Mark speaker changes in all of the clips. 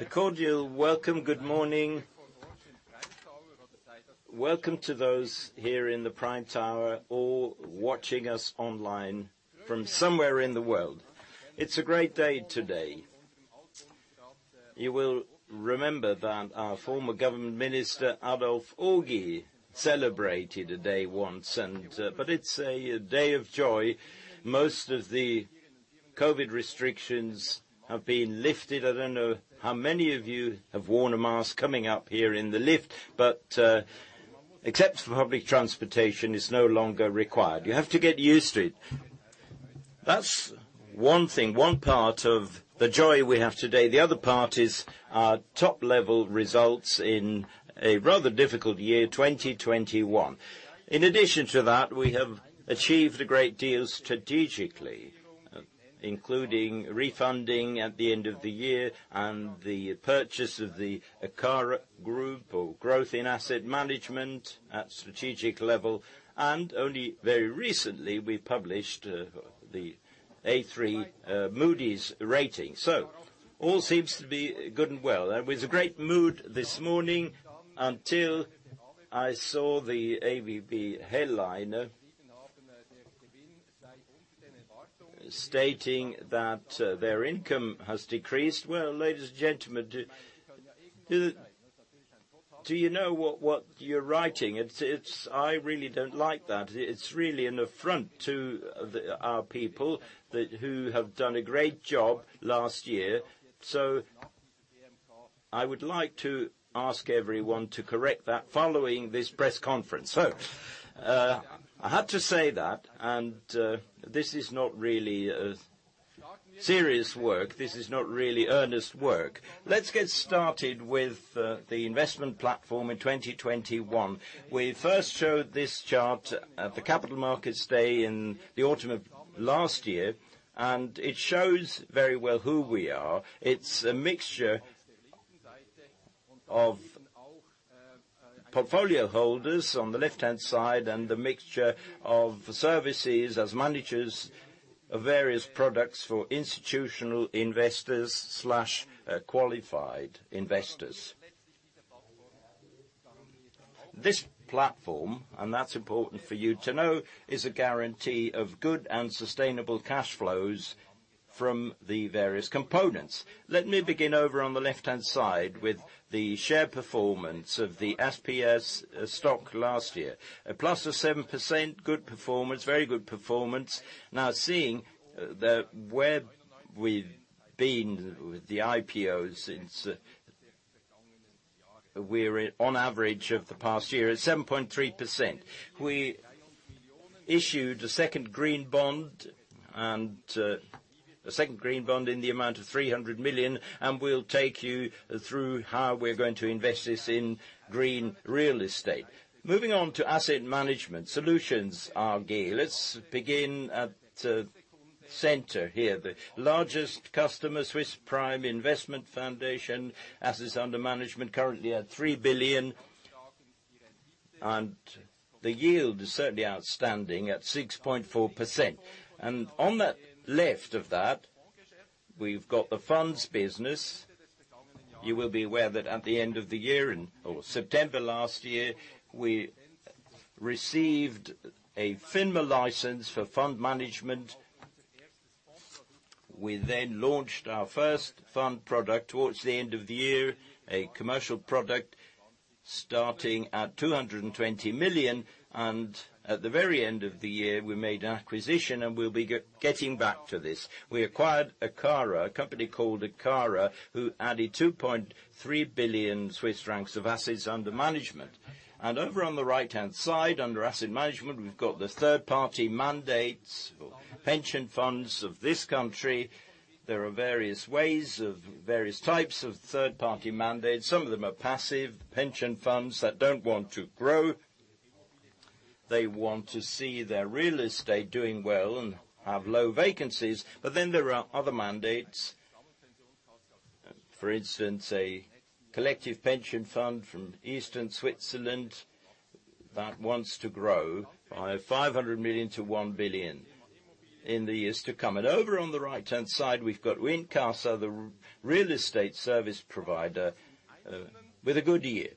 Speaker 1: A cordial welcome. Good morning. Welcome to those here in the Prime Tower, or watching us online from somewhere in the world. It's a great day today. You will remember that our former government minister, Adolf Ogi, celebrated a day once, and but it's a day of joy. Most of the COVID restrictions have been lifted. I don't know how many of you have worn a mask coming up here in the lift, but except for public transportation, it's no longer required. You have to get used to it. That's one thing, one part of the joy we have today. The other part is our top-level results in a rather difficult year, 2021. In addition to that, we have achieved a great deal strategically, including refunding at the end of the year and the purchase of the Akara Group for growth in asset management at strategic level, and only very recently, we published the A3 Moody's rating. All seems to be good and well. There was a great mood this morning until I saw the AWP headline stating that their income has decreased. Well, ladies and gentlemen, do you know what you're writing? I really don't like that. It's really an affront to our people who have done a great job last year. I would like to ask everyone to correct that following this press conference. I had to say that, and this is not really serious work. This is not really earnest work. Let's get started with the investment platform in 2021. We first showed this chart at the Capital Markets Day in the autumn of last year, and it shows very well who we are. It's a mixture of portfolio holders on the left-hand side and the mixture of services as managers of various products for institutional investors/qualified investors. This platform, and that's important for you to know, is a guarantee of good and sustainable cash flows from the various components. Let me begin over on the left-hand side with the share performance of the SPS stock last year. A +7%, good performance, very good performance. Now, where we've been with the IPOs since, we're at, on average of the past year, at 7.3%. We issued a second green bond in the amount of 300 million, and we'll take you through how we're going to invest this in green real estate. Moving on to Asset Management Solutions AG. Let's begin at center here. The largest customer, Swiss Prime Investment Foundation, Assets Under Management, currently at 3 billion. The yield is certainly oustanding at 6.4%. On the left of that, we've got the funds business. You will be aware that in September last year, we received a FINMA license for fund management. We then launched our first fund product towards the end of the year, a commercial product starting at 220 million, and at the very end of the year, we made an acquisition, and we'll be getting back to this. We acquired Akara, a company called Akara, who added 2.3 billion Swiss francs of assets under management. Over on the right-hand side, under asset management, we've got the third-party mandates or pension funds of this country. There are various types of third-party mandates. Some of them are passive pension funds that don't want to grow. They want to see their real estate doing well and have low vacancies. There are other mandates. For instance, a collective pension fund from eastern Switzerland that wants to grow by 500 million-1 billion in the years to come. Over on the right-hand side, we've got Wincasa, the real estate service provider, with a good year.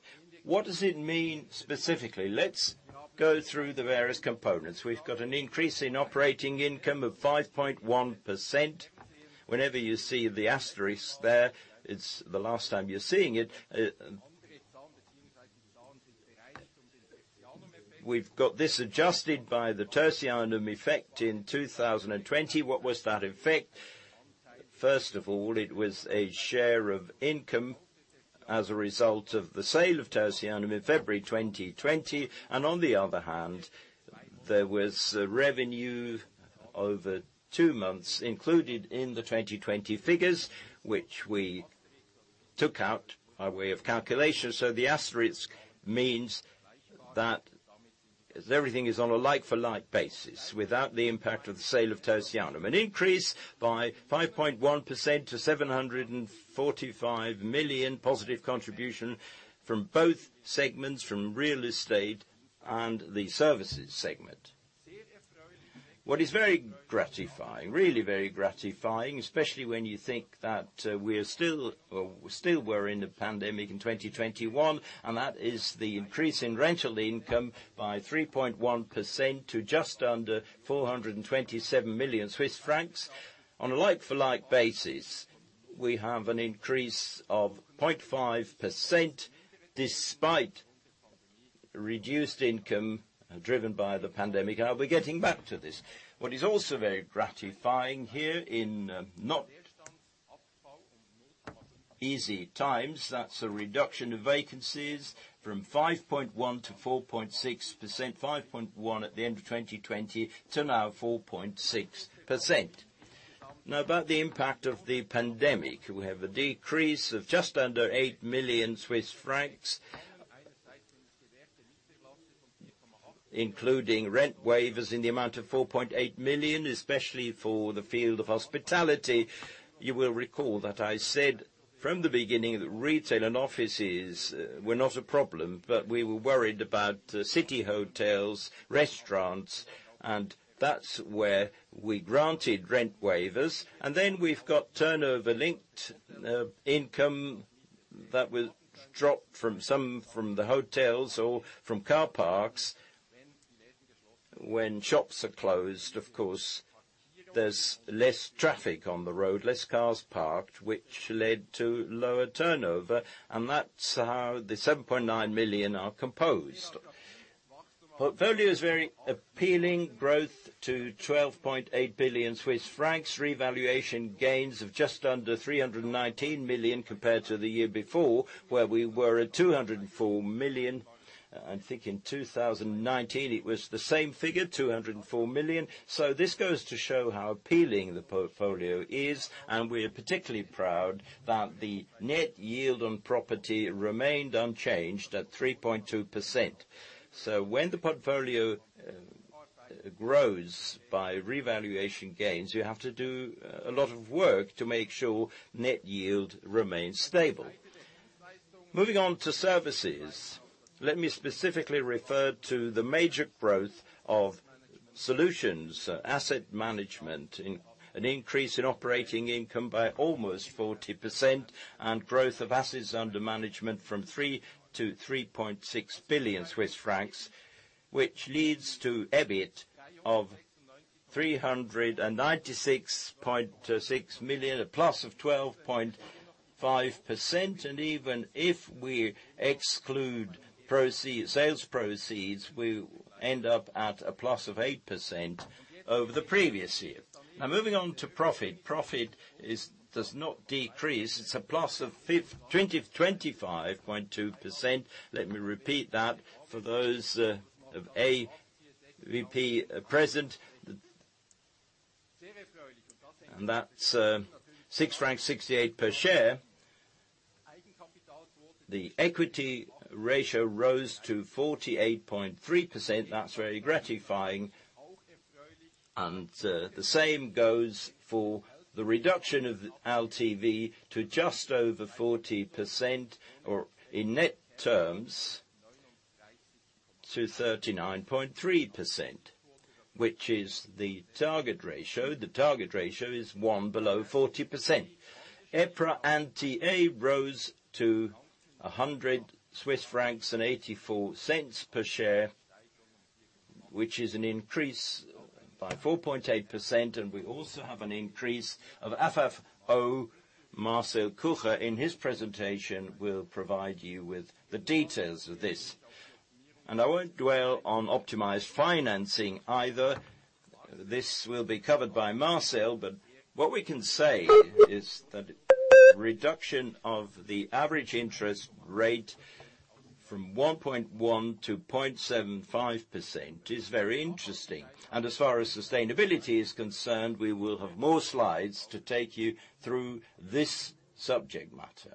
Speaker 1: What does it mean specifically? Let's go through the various components. We've got an increase in operating income of 5.1%. Whenever you see the asterisk there, it's the last time you're seeing it. We've got this adjusted by the Tertianum effect in 2020. What was that effect? First of all, it was a share of income as a result of the sale of Tertianum in February 2020. On the other hand, there was revenue over two months included in the 2020 figures, which we took out our way of calculation. The asterisk means that everything is on a like-for-like basis without the impact of the sale of Tertianum. An increase by 5.1% to 745 million positive contribution from both segments, from real estate and the services segment. What is very gratifying, really very gratifying, especially when you think that, we're still in a pandemic in 2021, and that is the increase in rental income by 3.1% to just under 427 million Swiss francs. On a like for like basis, we have an increase of 0.5% despite reduced income driven by the pandemic. I'll be getting back to this. What is also very gratifying here in not easy times, that's a reduction of vacancies from 5.1%-4.6%. 5.1% at the end of 2020 to now 4.6%. Now, about the impact of the pandemic. We have a decrease of just under 8 million Swiss francs. Including rent waivers in the amount of 4.8 million, especially for the field of hospitality. You will recall that I said from the beginning, retail and offices were not a problem, but we were worried about city hotels, restaurants, and that's where we granted rent waivers. We've got turnover linked income that was dropped from some from the hotels or from car parks. When shops are closed, of course, there's less traffic on the road, less cars parked, which led to lower turnover, and that's how the 7.9 million are composed. Portfolio's very appealing growth to 12.8 billion Swiss francs. Revaluation gains of just under 319 million compared to the year before, where we were at 204 million. I think in 2019, it was the same figure, 204 million. This goes to show how appealing the portfolio is, and we're particularly proud that the net yield on property remained unchanged at 3.2%. When the portfolio grows by revaluation gains, you have to do a lot of work to make sure net yield remains stable. Moving on to services. Let me specifically refer to the major growth of solutions asset management, an increase in operating income by almost 40% and growth of assets under management from 3 billion to 3.6 billion Swiss francs, which leads to EBIT of 396.6 million, a +12.5%. Even if we exclude sales proceeds, we end up at a +8% over the previous year. Now moving on to profit. Profit does not decrease. It's a +25.2%. Let me repeat that for those of AWP present. That's CHF 6.68 per share. The equity ratio rose to 48.3%. That's very gratifying. The same goes for the reduction of LTV to just over 40% or in net terms, to 39.3%, which is the target ratio. The target ratio is one below 40%. EPRA NTA rose to 100.84 Swiss francs per share, which is an increase by 4.8%, and we also have an increase of FFO. Marcel Kucher, in his presentation, will provide you with the details of this. I won't dwell on optimized financing either. This will be covered by Marcel, but what we can say is that reduction of the average interest rate from 1.1% to 0.75% is very interesting. As far as sustainability is concerned, we will have more slides to take you through this subject matter.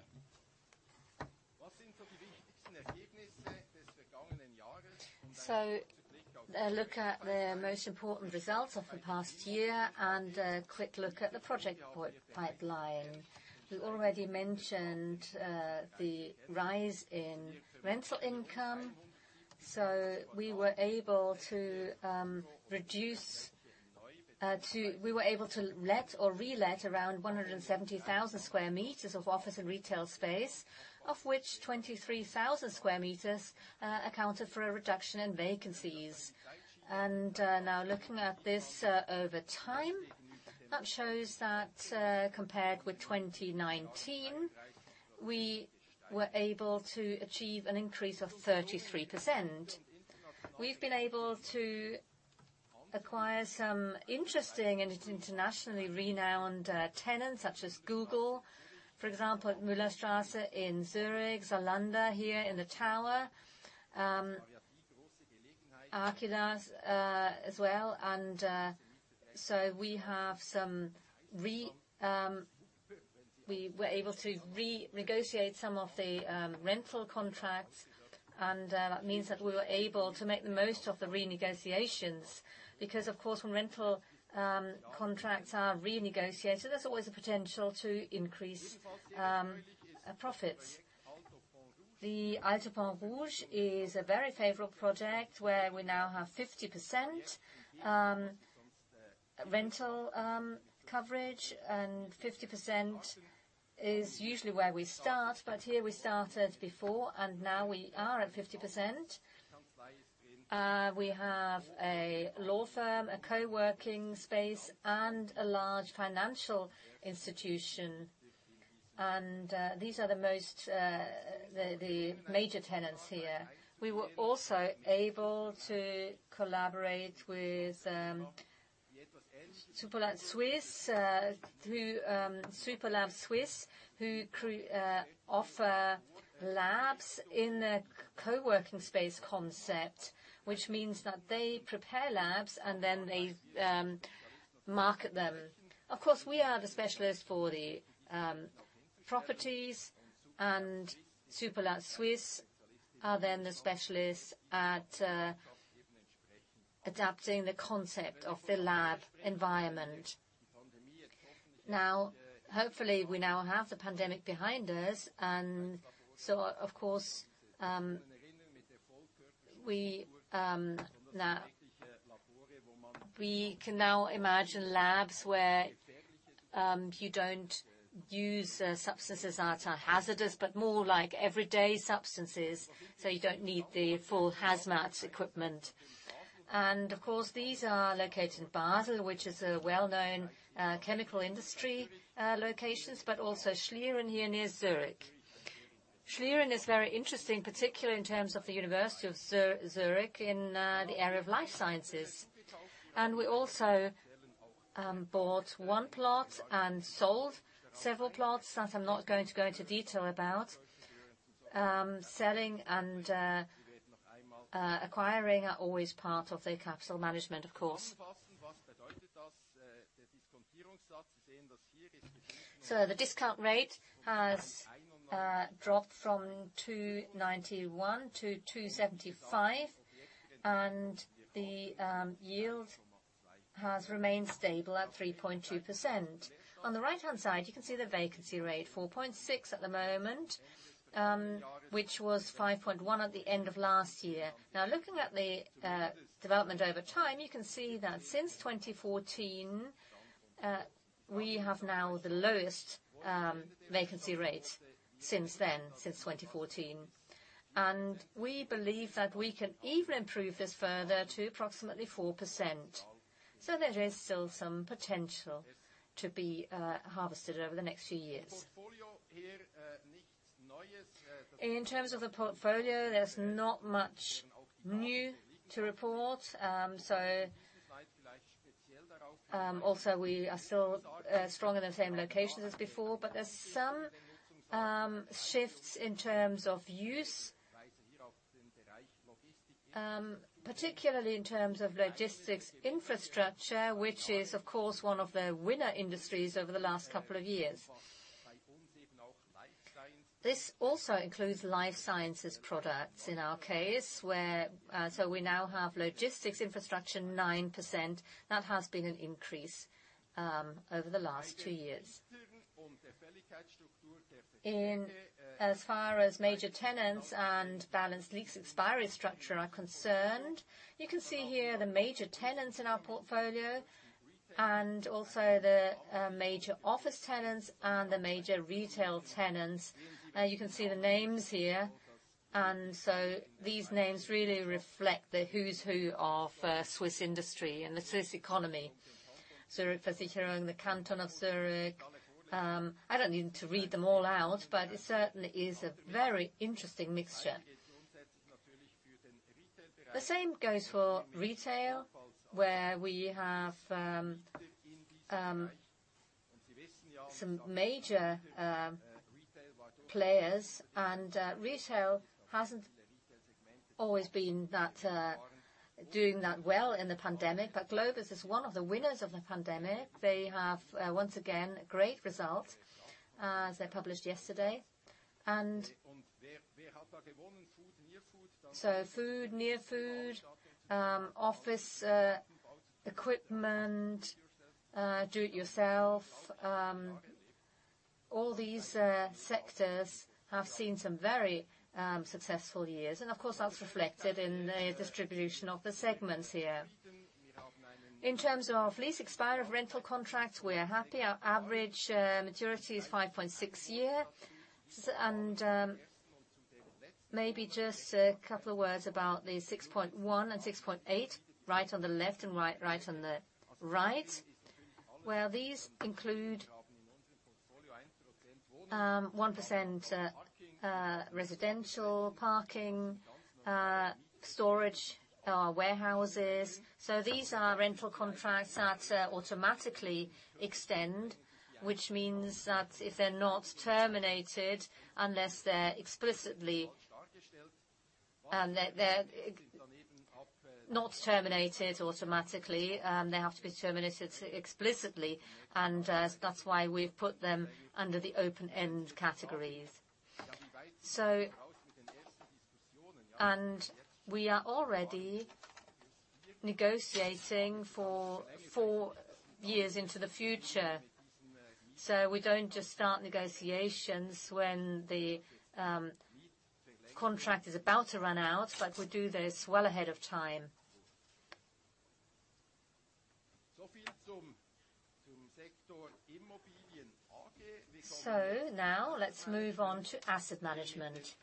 Speaker 1: A look at the most important results of the past year and a quick look at the project pipeline. We already mentioned the rise in rental income. We were able to let or relet around 170,000 sq m of office and retail space. Of which 23,000 sq m accounted for a reduction in vacancies. Now looking at this over time, that shows that compared with 2019, we were able to achieve an increase of 33%. We've been able to acquire some interesting and internationally renowned tenants such as Google, for example, Müllerstrasse in Zürich, Zalando here in the tower. Aquila's as well. We have some re, we were able to renegotiate some of the rental contracts, and that means that we were able to make the most of the renegotiations. Because of course, when rental contracts are renegotiated, there's always a potential to increase profits. The Alto Pont-Rouge is a very favorable project where we now have 50% rental coverage, and 50% is usually where we start, but here we started before and now we are at 50%. We have a law firm, a co-working space, and a large financial institution. These are the major tenants here. We were also able to collaborate with Superlab Suisse through Superlab Suisse, who offer labs in a co-working space concept, which means that they prepare labs and then they market them. Of course, we are the specialist for the properties and Superlab Suisse are then the specialists at adapting the concept of the lab environment. Now, hopefully, we now have the pandemic behind us, and so of course, we can now imagine labs where you don't use substances that are hazardous, but more like everyday substances, so you don't need the full hazmat equipment. Of course, these are located in Basel, which is a well-known chemical industry locations, but also Schlieren here near Zurich. Schlieren is very interesting, particularly in terms of the University of Zurich in the area of life sciences. We also bought one plot and sold several plots that I'm not going to go into detail about. Selling and acquiring are always part of the capital management, of course. The discount rate has dropped from 2.91% to 2.75%, and the yield has remained stable at 3.2%. On the right-hand side, you can see the vacancy rate, 4.6% at the moment, which was 5.1% at the end of last year. Now, looking at the development over time, you can see that since 2014, we have now the lowest vacancy rate since then, since 2014. We believe that we can even improve this further to approximately 4%. There is still some potential to be harvested over the next few years. In terms of the portfolio, there's not much new to report. We are still strong in the same location as before, but there's some shifts in terms of use, particularly in terms of logistics infrastructure, which is, of course, one of the winning industries over the last couple of years. This also includes life sciences products in our case, where we now have logistics infrastructure 9%. That has been an increase over the last two years. As far as major tenants and balanced lease expiry structure are concerned, you can see here the major tenants in our portfolio and also the major office tenants and the major retail tenants. You can see the names here, and these names really reflect the who's who of Swiss industry and the Swiss economy. Zurich Versicherung, the canton of Zurich. I don't need to read them all out, but it certainly is a very interesting mixture. The same goes for retail, where we have some major retail players. Retail hasn't always been that doing that well in the pandemic, but Globus is one of the winners of the pandemic. They have once again great results as they published yesterday. Food, near food, office, equipment, do it yourself, all these sectors have seen some very successful years. Of course, that's reflected in the distribution of the segments here. In terms of lease expiry of rental contracts, we are happy. Our average maturity is 5.6 year. Maybe just a couple of words about the 6.1 and 6.8 right on the left and right on the right. These include 1% residential parking, storage, our warehouses. These are rental contracts that automatically extend, which means that if they're not terminated unless they're explicitly they're not terminated automatically, they have to be terminated explicitly, and that's why we've put them under the open-end categories. We are already negotiating for four years into the future. We don't just start negotiations when the contract is about to run out, but we do this well ahead of time. Now let's move on to asset management.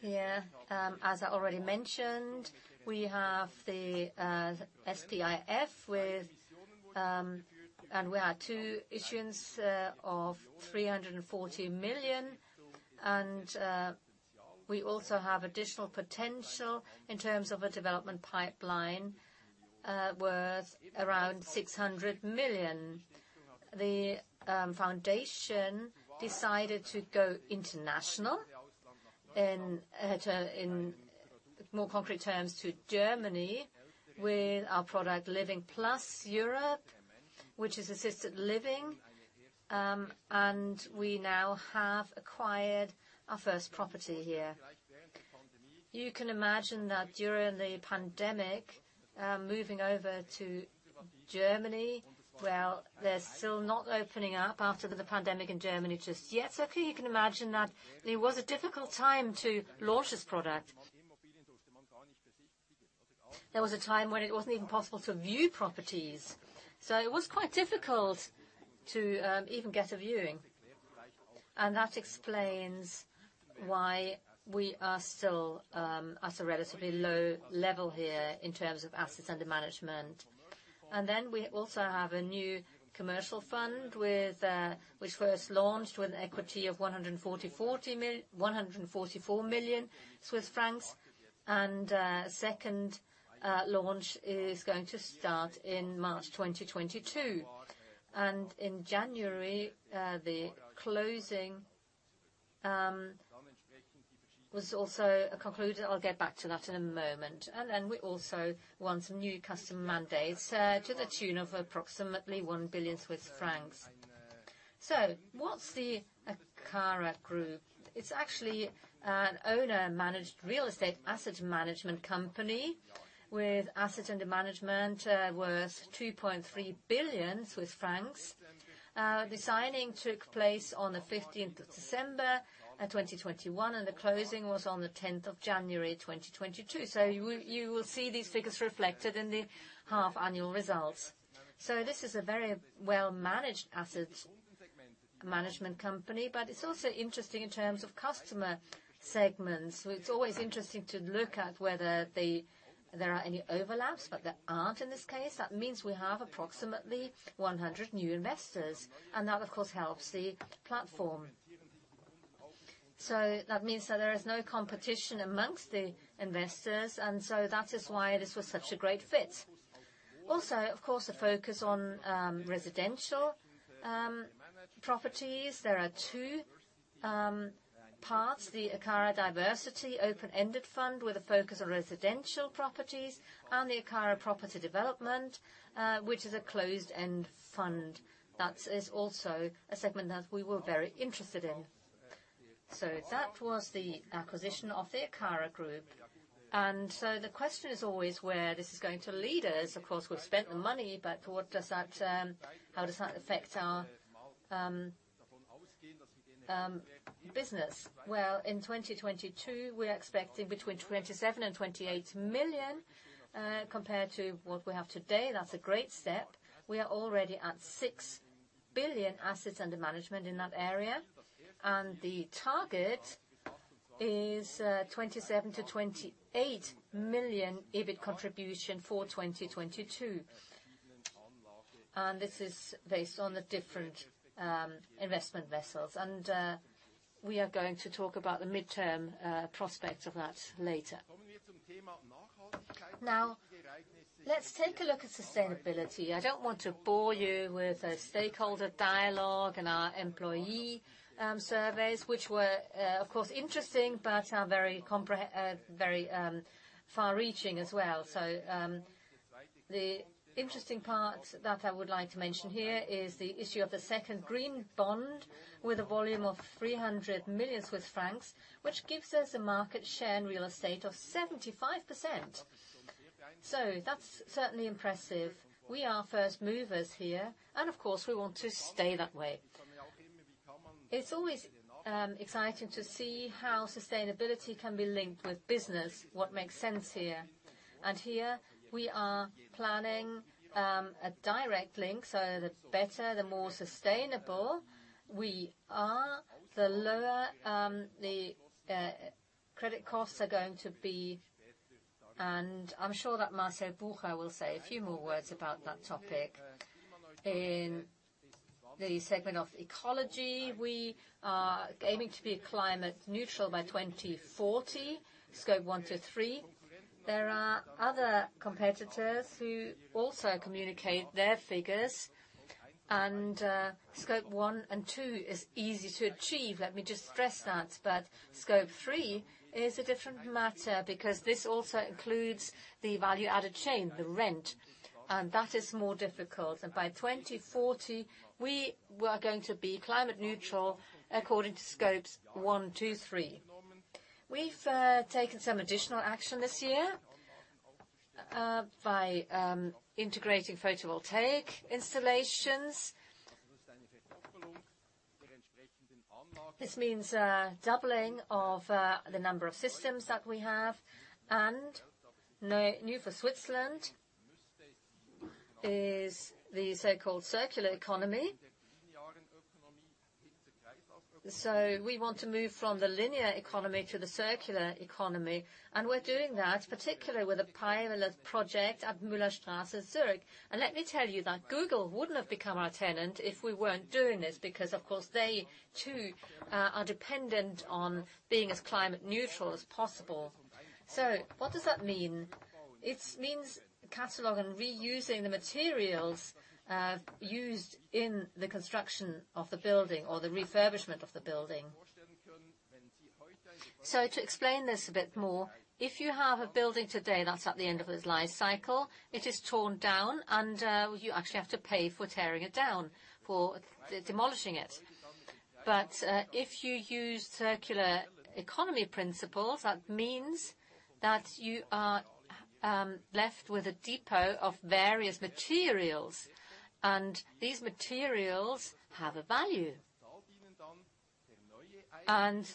Speaker 1: Here, as I already mentioned, we have the SDIF, and we had two issuances of 340 million. We also have additional potential in terms of a development pipeline worth around 600 million. The foundation decided to go international. In more concrete terms, to Germany, with our product Living Plus Europe, which is assisted living. We now have acquired our first property here. You can imagine that during the pandemic, moving over to Germany, well, they're still not opening up after the pandemic in Germany just yet. So clearly you can imagine that it was a difficult time to launch this product. There was a time when it wasn't even possible to view properties, so it was quite difficult to even get a viewing. That explains why we are still at a relatively low level here in terms of assets under management. We also have a new commercial fund with which was launched with an equity of 144 million Swiss francs. Second launch is going to start in March 2022. In January, the closing was also concluded. I'll get back to that in a moment. We also won some new customer mandates to the tune of approximately 1 billion Swiss francs. What's the Akara Group? It's actually an owner-managed real estate asset management company with assets under management worth 2.3 billion Swiss francs. The signing took place on the 15th of December 2021, and the closing was on the 10th of January 2022. You will see these figures reflected in the half-annual results. This is a very well-managed asset management company, but it's also interesting in terms of customer segments. It's always interesting to look at whether there are any overlaps, but there aren't in this case. That means we have approximately 100 new investors and that of course helps the platform. That means that there is no competition amongst the investors, and that is why this was such a great fit. Also, of course, a focus on residential properties. There are two parts, the Akara Diversity open-ended fund with a focus on residential properties and the Akara Property Development, which is a closed-end fund. That is also a segment that we were very interested in. That was the acquisition of the Akara Group. The question is always where this is going to lead us. Of course, we've spent the money, but how does that affect our business? Well, in 2022 we are expecting between 27 million and 28 million compared to what we have today. That's a great step. We are already at 6 billion assets under management in that area, and the target is 27 million-28 million EBIT contribution for 2022. This is based on the different investment vessels. We are going to talk about the mid-term prospects of that later. Now let's take a look at sustainability. I don't want to bore you with a stakeholder dialogue and our employee surveys, which were of course interesting, but are very far-reaching as well. The interesting part that I would like to mention here is the issue of the second green bond with a volume of 300 million Swiss francs, which gives us a market share in real estate of 75%. That's certainly impressive. We are first movers here and of course we want to stay that way. It's always exciting to see how sustainability can be linked with business. What makes sense here? Here we are planning a direct link, so the better, the more sustainable we are, the lower the credit costs are going to be. I'm sure that Marcel Kucher will say a few more words about that topic. In the segment of ecology, we are aiming to be climate neutral by 2040, Scope 1 to 3. There are other competitors who also communicate their figures, and Scope 1 and 2 is easy to achieve. Let me just stress that. Scope 3 is a different matter because this also includes the value chain, the rent, and that is more difficult. By 2040 we are going to be climate neutral according to scopes one, two, three. We've taken some additional action this year by integrating photovoltaic installations. This means a doubling of the number of systems that we have. New for Switzerland is the so-called circular economy. We want to move from the linear economy to the circular economy, and we're doing that particularly with a pilot project at Müllerstrasse, Zurich. Let me tell you that Google wouldn't have become our tenant if we weren't doing this, because of course, they too are dependent on being as climate neutral as possible. What does that mean? It means cataloging and reusing the materials used in the construction of the building or the refurbishment of the building. To explain this a bit more, if you have a building today that's at the end of its life cycle, it is torn down and you actually have to pay for tearing it down, for demolishing it. If you use circular economy principles, that means that you are left with a depot of various materials, and these materials have a value.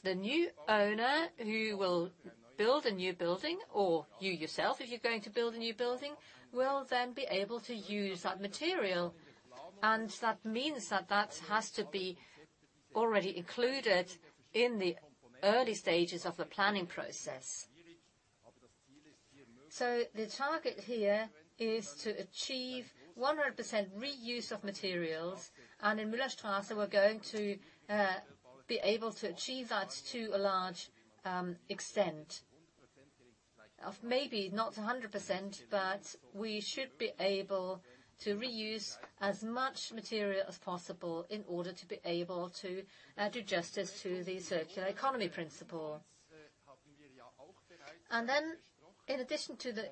Speaker 1: The new owner who will build a new building, or you yourself, if you're going to build a new building, will then be able to use that material. That means that that has to be already included in the early stages of the planning process. The target here is to achieve 100% reuse of materials, and in Müllerstrasse, we're going to be able to achieve that to a large extent, maybe not 100%, but we should be able to reuse as much material as possible in order to be able to do justice to the circular economy principle.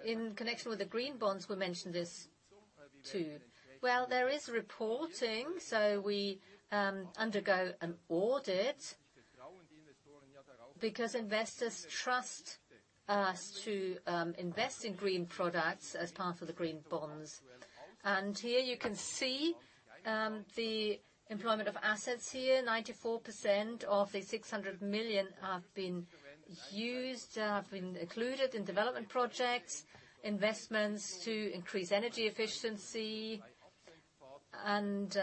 Speaker 1: In connection with the green bonds, we mentioned this too. Well, there is reporting, so we undergo an audit because investors trust us to invest in green products as part of the green bonds. Here you can see the employment of assets here. 94% of the 600 million have been used, have been included in development projects, investments to increase energy efficiency, and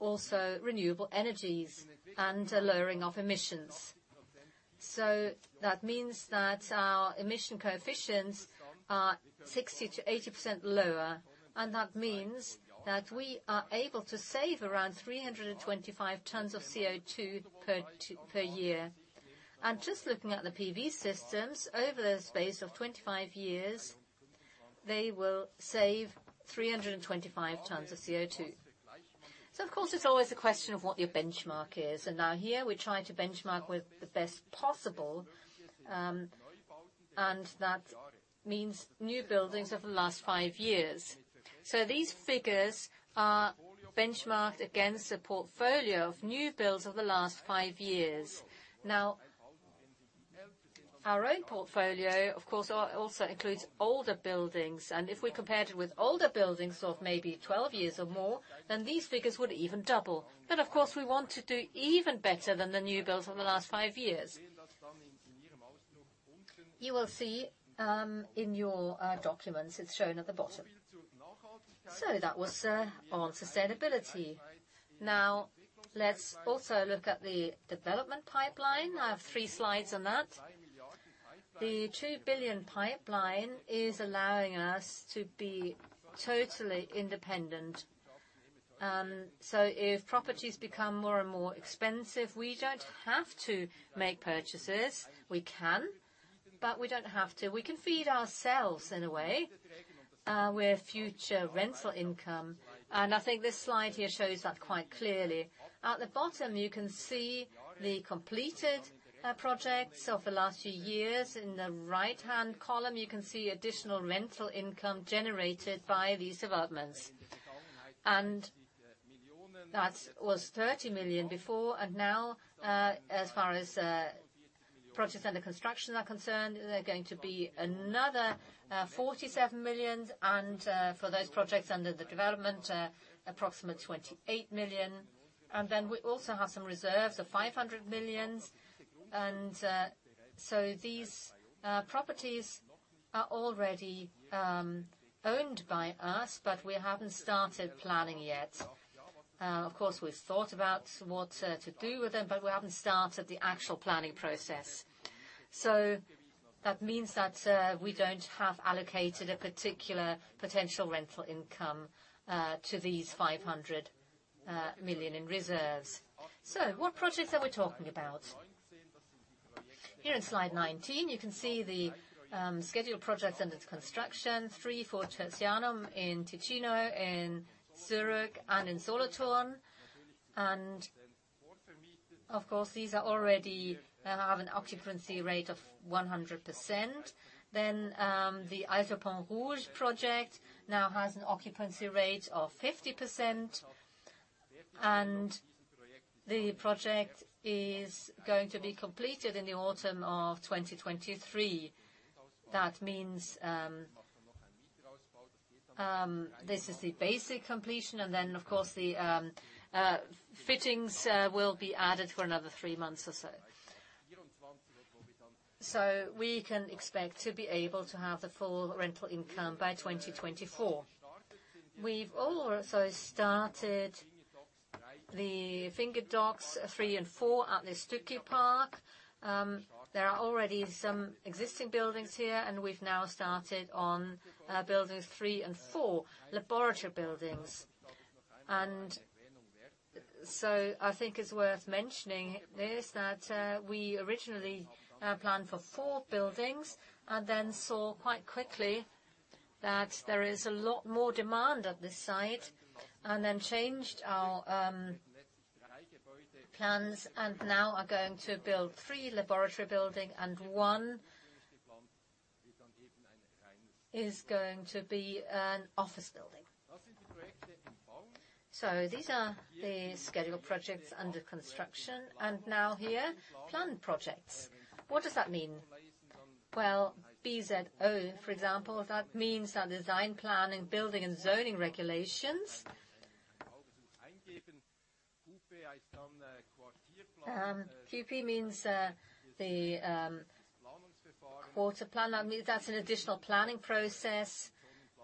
Speaker 1: also renewable energies and a lowering of emissions. That means that our emission coefficients are 60%-80% lower, and that means that we are able to save around 325 tons of CO2 per year. Just looking at the PV systems, over the space of 25 years, they will save 325 tons of CO2. Of course, it's always a question of what your benchmark is. Now here we're trying to benchmark with the best possible, and that means new buildings over the last five years. These figures are benchmarked against a portfolio of new builds over the last five years. Now, our own portfolio, of course, also includes older buildings, and if we compared it with older buildings of maybe 12 years or more, then these figures would even double. Of course, we want to do even better than the new builds over the last five years. You will see, in your, documents, it's shown at the bottom. That was on sustainability. Now let's also look at the development pipeline. I have three slides on that. The 2 billion pipeline is allowing us to be totally independent. If properties become more and more expensive, we don't have to make purchases. We can, but we don't have to. We can feed ourselves in a way with future rental income. I think this slide here shows that quite clearly. At the bottom, you can see the completed projects of the last few years. In the right-hand column, you can see additional rental income generated by these developments. That was 30 million before. Now, as far as projects under construction are concerned, they're going to be another 47 million. For those projects under development, approximately 28 million. Then we also have some reserves of 500 million. So these properties are already owned by us, but we haven't started planning yet. Of course, we've thought about what to do with them, but we haven't started the actual planning process. That means that we don't have allocated a particular potential rental income to these 500 million in reserves. What projects are we talking about? Here in slide 19, you can see the scheduled projects under construction. Three for Tertianum in Ticino, in Zurich, and in Solothurn. Of course, these already have an occupancy rate of 100%. The Alto Pont-Rouge project now has an occupancy rate of 50%. The project is going to be completed in the autumn of 2023. That means this is the basic completion, and then of course, the fittings will be added for another three months or so. We can expect to be able to have the full rental income by 2024. We've also started the finger docks three and four at the Stücki Park. There are already some existing buildings here, and we've now started on buildings 3 and 4, laboratory buildings. I think it's worth mentioning this, that we originally planned for 4 buildings and then saw quite quickly that there is a lot more demand at this site, and then changed our plans and now are going to build three laboratory building and one is going to be an office building. These are the scheduled projects under construction, and now here, planned projects. What does that mean? Well, BZO, for example, that means our design plan and building and zoning regulations. QP means the quarter plan. That means that's an additional planning process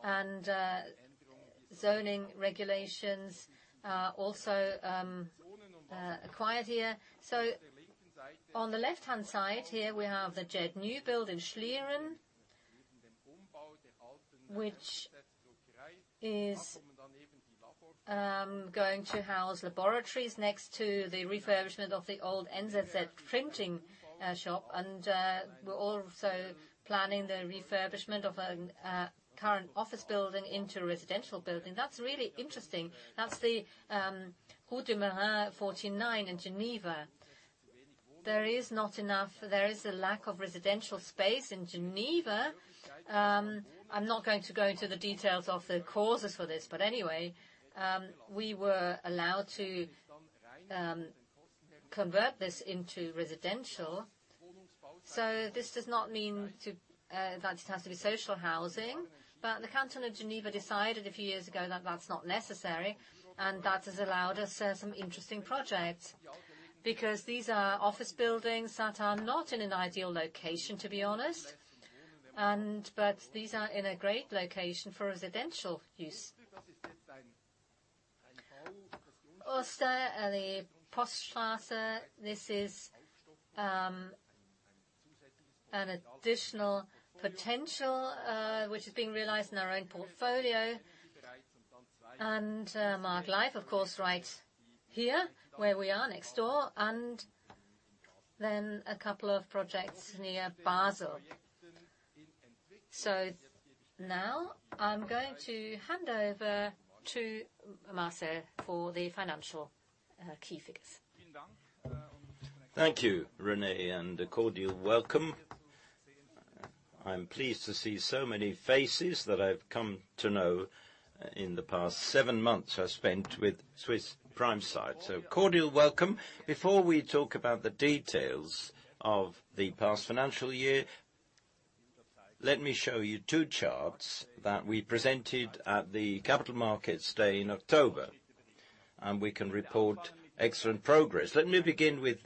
Speaker 1: and zoning regulations are also acquired here. On the left-hand side here we have the JED new build in Schlieren, which is going to house laboratories next to the refurbishment of the old NZZ printing shop. We're also planning the refurbishment of a current office building into a residential building. That's really interesting. That's the Route de Meyrin 49 in Geneva. There is a lack of residential space in Geneva. I'm not going to go into the details of the causes for this, but anyway, we were allowed to convert this into residential. This does not mean to that it has to be social housing, but the Canton of Geneva decided a few years ago that that's not necessary, and that has allowed us some interesting projects. Because these are office buildings that are not in an ideal location, to be honest, these are in a great location for residential use. Also, the Poststrasse, this is an additional potential, which is being realized in our own portfolio. Maaglive, of course, right here where we are next door, and then a couple of projects near Basel. Now I'm going to hand over to Marcel for the financial key figures.
Speaker 2: Thank you, René, and a cordial welcome. I'm pleased to see so many faces that I've come to know in the past seven months I spent with Swiss Prime Site. Cordial welcome. Before we talk about the details of the past financial year, let me show you two charts that we presented at the Capital Markets Day in October, and we can report excellent progress. Let me begin with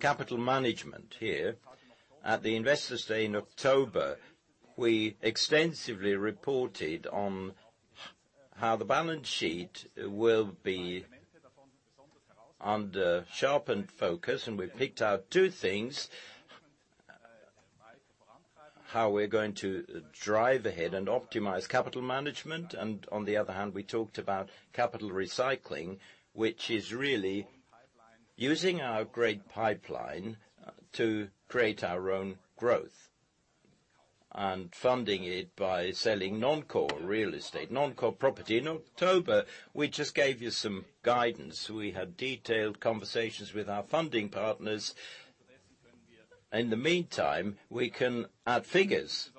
Speaker 2: capital management here. At the Investors Day in October, we extensively reported on how the balance sheet will be under sharpened focus, and we picked out two things, how we're going to drive ahead and optimize capital management. On the other hand, we talked about capital recycling, which is really using our great pipeline to create our own growth and funding it by selling non-core real estate, non-core property. In October, we just gave you some guidance. We had detailed conversations with our funding partners. In the meantime, we can add figures.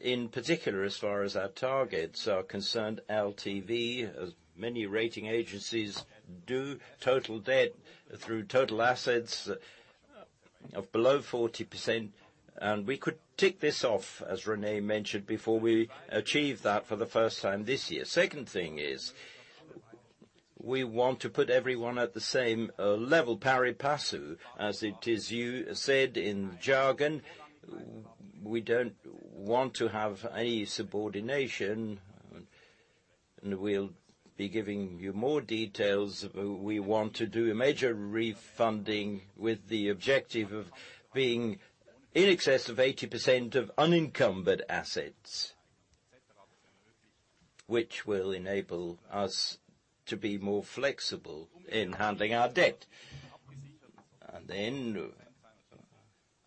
Speaker 2: In particular, as far as our targets are concerned, LTV, as many rating agencies do, total debt through total assets of below 40%, and we could tick this off, as René mentioned before, we achieved that for the first time this year. Second thing is we want to put everyone at the same, level, pari passu, as it is you said in jargon. We don't want to have any subordination. And we'll be giving you more details. We want to do a major refunding with the objective of being in excess of 80% of unencumbered assets, which will enable us to be more flexible in handling our debt.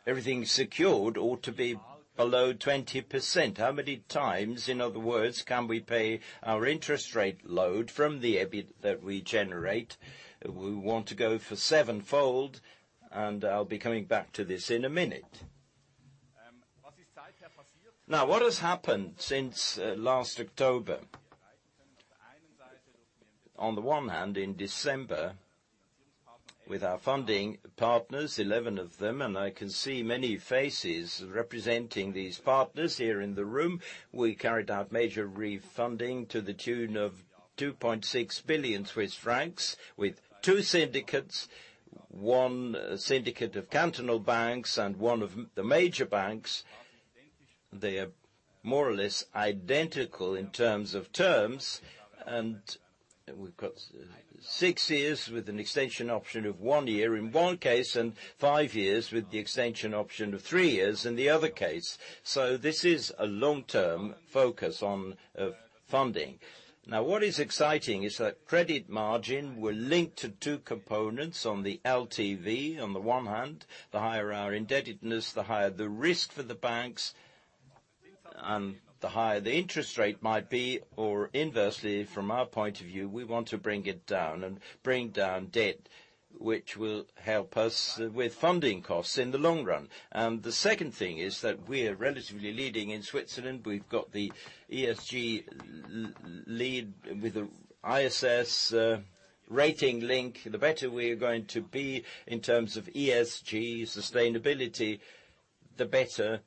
Speaker 2: Everything secured ought to be below 20%. How many times, in other words, can we pay our interest rate load from the EBIT that we generate? We want to go for sevenfold, and I'll be coming back to this in a minute. What has happened since last October? On the one hand, in December, with our funding partners, 11 of them, and I can see many faces representing these partners here in the room, we carried out major refunding to the tune of 2.6 billion Swiss francs with two syndicates. One syndicate of cantonal banks and one of the major banks. They are more or less identical in terms of terms, and we've got six years with an extension option of one year in one case, and five years with the extension option of three years in the other case. This is a long-term focus on funding. Now, what is exciting is that credit margin were linked to two components on the LTV, on the one hand. The higher our indebtedness, the higher the risk for the banks, and the higher the interest rate might be, or inversely from our point of view, we want to bring it down and bring down debt, which will help us with funding costs in the long run. The second thing is that we're relatively leading in Switzerland. We've got the ESG lead with the ISS rating link. The better we're going to be in terms of ESG sustainability, the better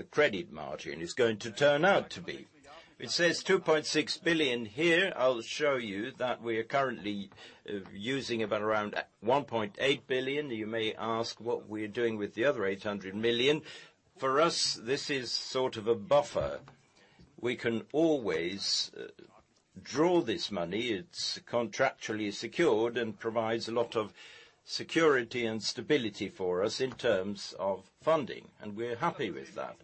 Speaker 2: the credit margin is going to turn out to be. It says 2.6 billion here. I'll show you that we are currently using about around 1.8 billion. You may ask what we're doing with the other 800 million. For us, this is sort of a buffer. We can always draw this money. It's contractually secured and provides a lot of security and stability for us in terms of funding, and we're happy with that.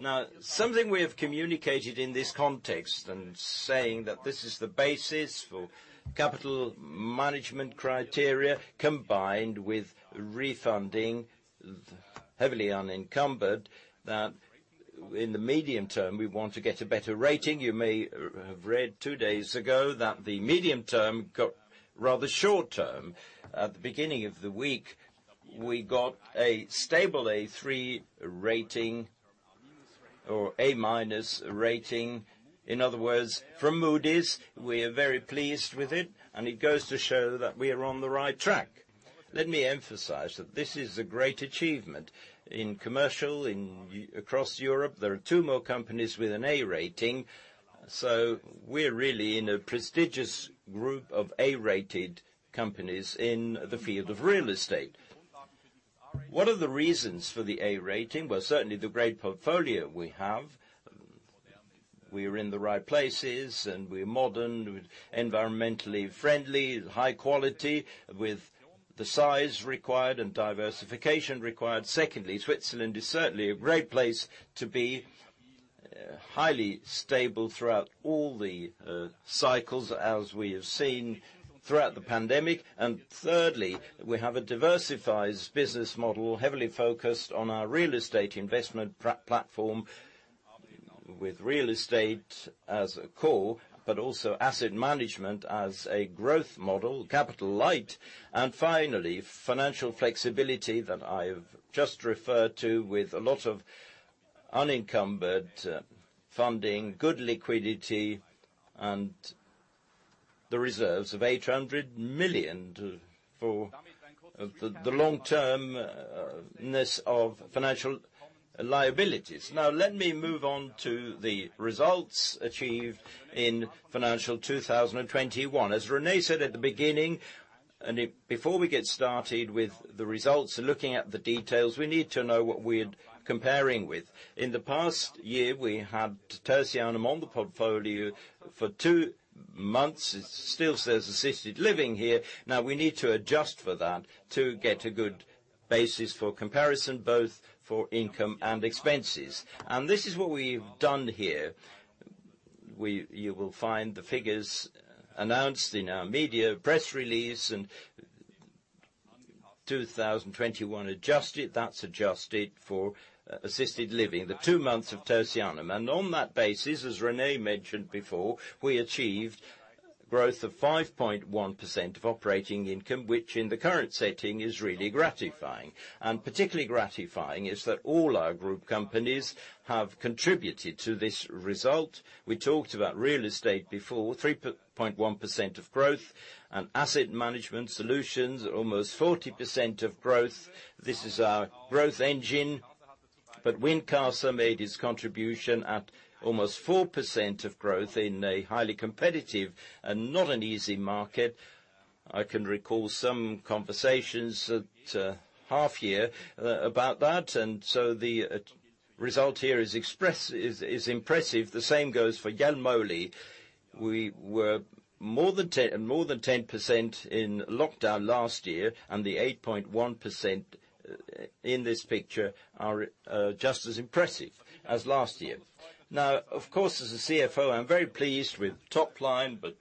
Speaker 2: Now, something we have communicated in this context and saying that this is the basis for capital management criteria combined with refinancing, highly unencumbered, that in the medium term, we want to get a better rating. You may have read two days ago that the medium term got rather short term. At the beginning of the week, we got a stable A3 rating or A- rating. In other words, from Moody's, we are very pleased with it, and it goes to show that we are on the right track. Let me emphasize that this is a great achievement. Across Europe, there are two more companies with an A rating, so we're really in a prestigious group of A-rated companies in the field of real estate. What are the reasons for the A rating? Well, certainly the great portfolio we have. We're in the right places and we're modern, environmentally friendly, high quality with the size required and diversification required. Secondly, Switzerland is certainly a great place to be. Highly stable throughout all the cycles, as we have seen throughout the pandemic. Thirdly, we have a diversified business model, heavily focused on our real estate investment platform with real estate as a core, but also asset management as a growth model, capital light. Finally, financial flexibility that I've just referred to with a lot of unencumbered funding, good liquidity, and the reserves of 800 million for the long-termness of financial liabilities. Now, let me move on to the results achieved in financial 2021. As René said at the beginning, before we get started with the results, looking at the details, we need to know what we're comparing with. In the past year, we had Tertianum on the portfolio for two months. It still says assisted living here. Now we need to adjust for that to get a good basis for comparison, both for income and expenses. This is what we've done here. You will find the figures announced in our media press release in 2021 adjusted. That's adjusted for assisted living, the two months of Tertianum. On that basis, as René mentioned before, we achieved growth of 5.1% in operating income, which in the current setting is really gratifying. Particularly gratifying is that all our group companies have contributed to this result. We talked about real estate before, 3.1% growth and asset management solutions, almost 40% growth. This is our growth engine. Wincasa made its contribution at almost 4% growth in a highly competitive and not an easy market. I can recall some conversations at half year about that. The result here is impressive. The same goes for Jelmoli. We were down more than 10% in lockdown last year, and the 8.1% in this picture are just as impressive as last year. Now, of course, as a CFO, I'm very pleased with top line, but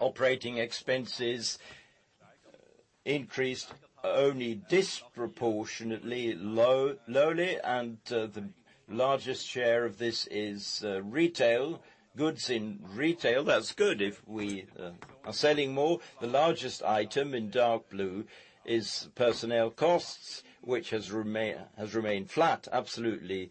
Speaker 2: operating expenses increased only disproportionately lowly, and the largest share of this is retail, goods in retail. That's good if we are selling more. The largest item in dark blue is personnel costs, which has remained flat. Absolutely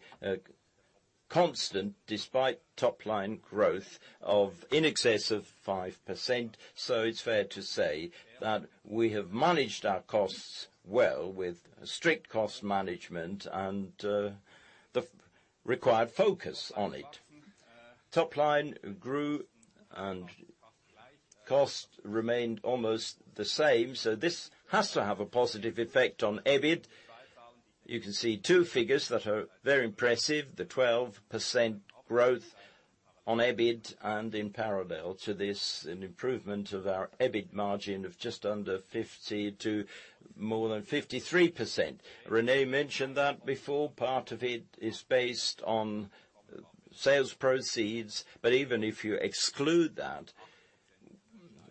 Speaker 2: constant despite top line growth of in excess of 5%. It's fair to say that we have managed our costs well with strict cost management and the required focus on it. Top line grew and cost remained almost the same, so this has to have a positive effect on EBIT. You can see two figures that are very impressive. The 12% growth on EBIT and in parallel to this, an improvement of our EBIT margin of just under 50% to more than 53%. René mentioned that before, part of it is based on sales proceeds, but even if you exclude that,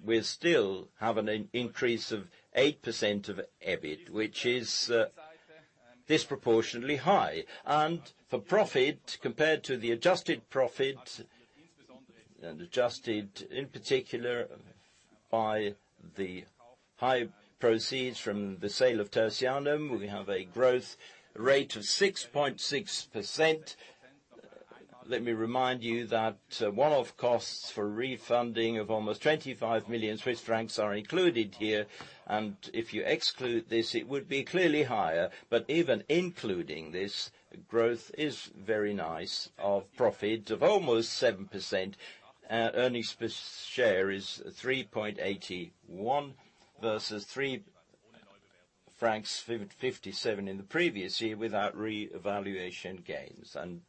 Speaker 2: we still have an increase of 8% of EBIT, which is disproportionately high. For profit, compared to the adjusted profit, and adjusted in particular by the high proceeds from the sale of Tertianum, we have a growth rate of 6.6%. Let me remind you that one-off costs for refunding of almost 25 million Swiss francs are included here. If you exclude this, it would be clearly higher. Even including this, growth is very nice of profit of almost 7%. Earnings per share is 3.81 versus 3.57 francs in the previous year without reevaluation gains and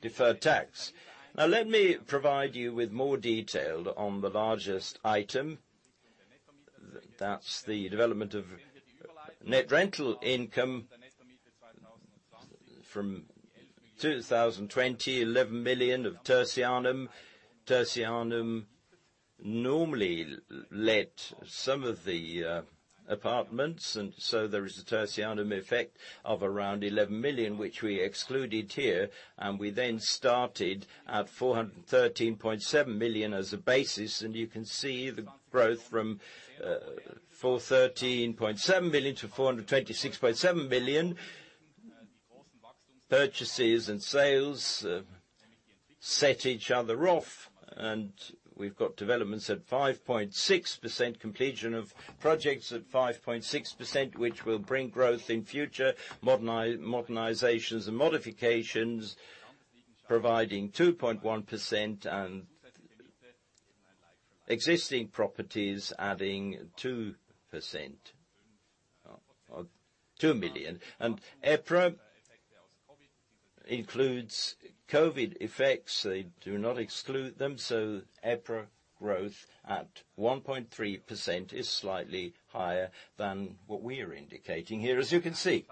Speaker 2: deferred tax. Now let me provide you with more detail on the largest item. That's the development of net rental income from 2020, 11 million of Tertianum. Tertianum normally led some of the apartments, and so there is a Tertianum effect of around 11 million, which we excluded here. We then started at 413.7 million as a basis, and you can see the growth from 413.7 million to 426.7 million. Purchases and sales set each other off, and we've got developments at 5.6% completion of projects at 5.6%, which will bring growth in future. Modernizations and modifications providing 2.1% and existing properties adding 2%. Or, CHF 2 million. EPRA includes COVID effects. They do not exclude them, so EPRA growth at 1.3% is slightly higher than what we are indicating here as you can see.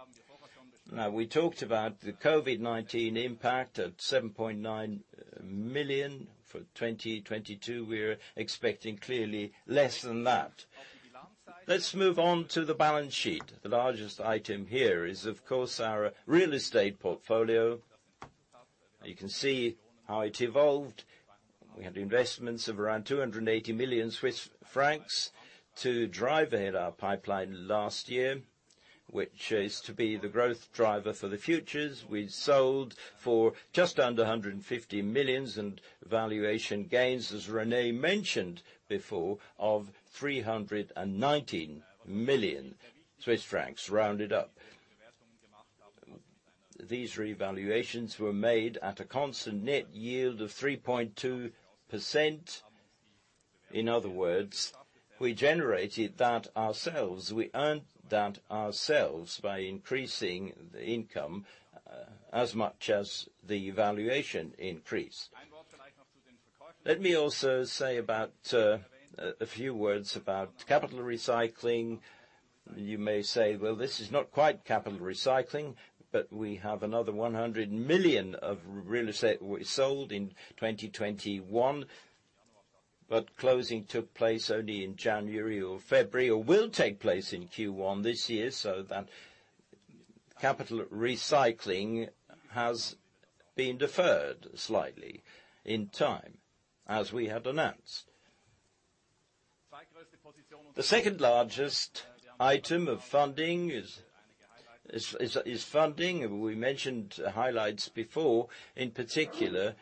Speaker 2: Now, we talked about the COVID-19 impact of 7.9 million. For 2022, we're expecting clearly less than that. Let's move on to the balance sheet. The largest item here is of course our real estate portfolio. You can see how it evolved. We had investments of around 280 million Swiss francs to drive ahead our pipeline last year, which is to be the growth driver for the futures. We sold for just under 150 million and valuation gains, as René mentioned before, of 319 million Swiss francs rounded up. These revaluations were made at a constant net yield of 3.2%. In other words, we generated that ourselves. We earned that ourselves by increasing the income as much as the valuation increased. Let me also say a few words about capital recycling. You may say, well, this is not quite capital recycling, but we have another 100 million of real estate we sold in 2021. Closing took place only in January or February, or will take place in Q1 this year, so that capital recycling has been deferred slightly in time as we have announced. The second-largest item of funding is funding. We mentioned highlights before, in particular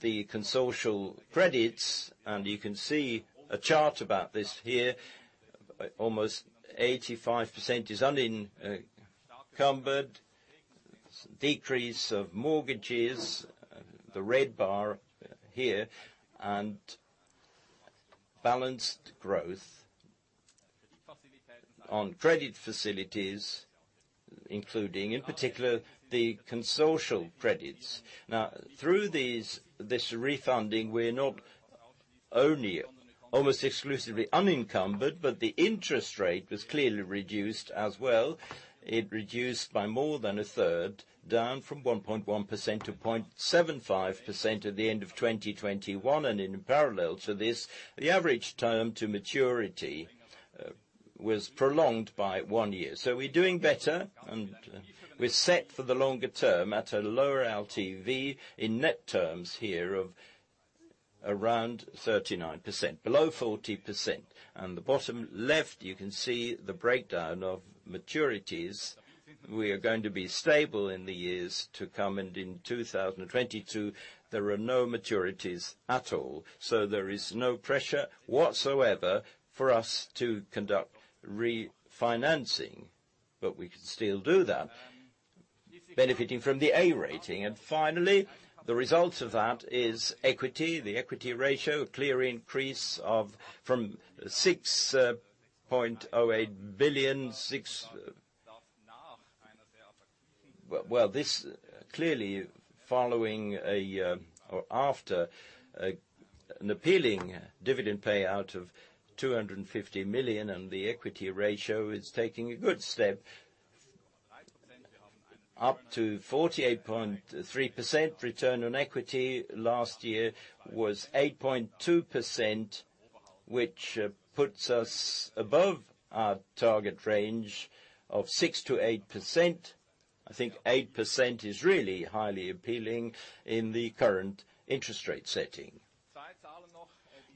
Speaker 2: the consortial credits, and you can see a chart about this here. Almost 85% is unencumbered. Decrease of mortgages, the red bar here. Balanced growth on credit facilities, including in particular the consortial credits. Now through these, this refunding, we're not only almost exclusively unencumbered, but the interest rate was clearly reduced as well. It reduced by more than 1/3, down from 1.1% to 0.75% at the end of 2021. In parallel to this, the average term to maturity was prolonged by one year. We're doing better, and we're set for the longer term at a lower LTV in net terms here of around 39%. Below 40%. On the bottom left, you can see the breakdown of maturities. We are going to be stable in the years to come, and in 2022, there are no maturities at all. There is no pressure whatsoever for us to conduct refinancing, but we can still do that, benefiting from the A rating. Finally, the result of that is equity. The equity ratio, a clear increase of from 6.08 billion, clearly following a or after an appealing dividend payout of 250 million, and the equity ratio is taking a good step up to 48.3%. Return on equity last year was 8.2%, which puts us above our target range of 6%-8%. I think 8% is really highly appealing in the current interest rate setting.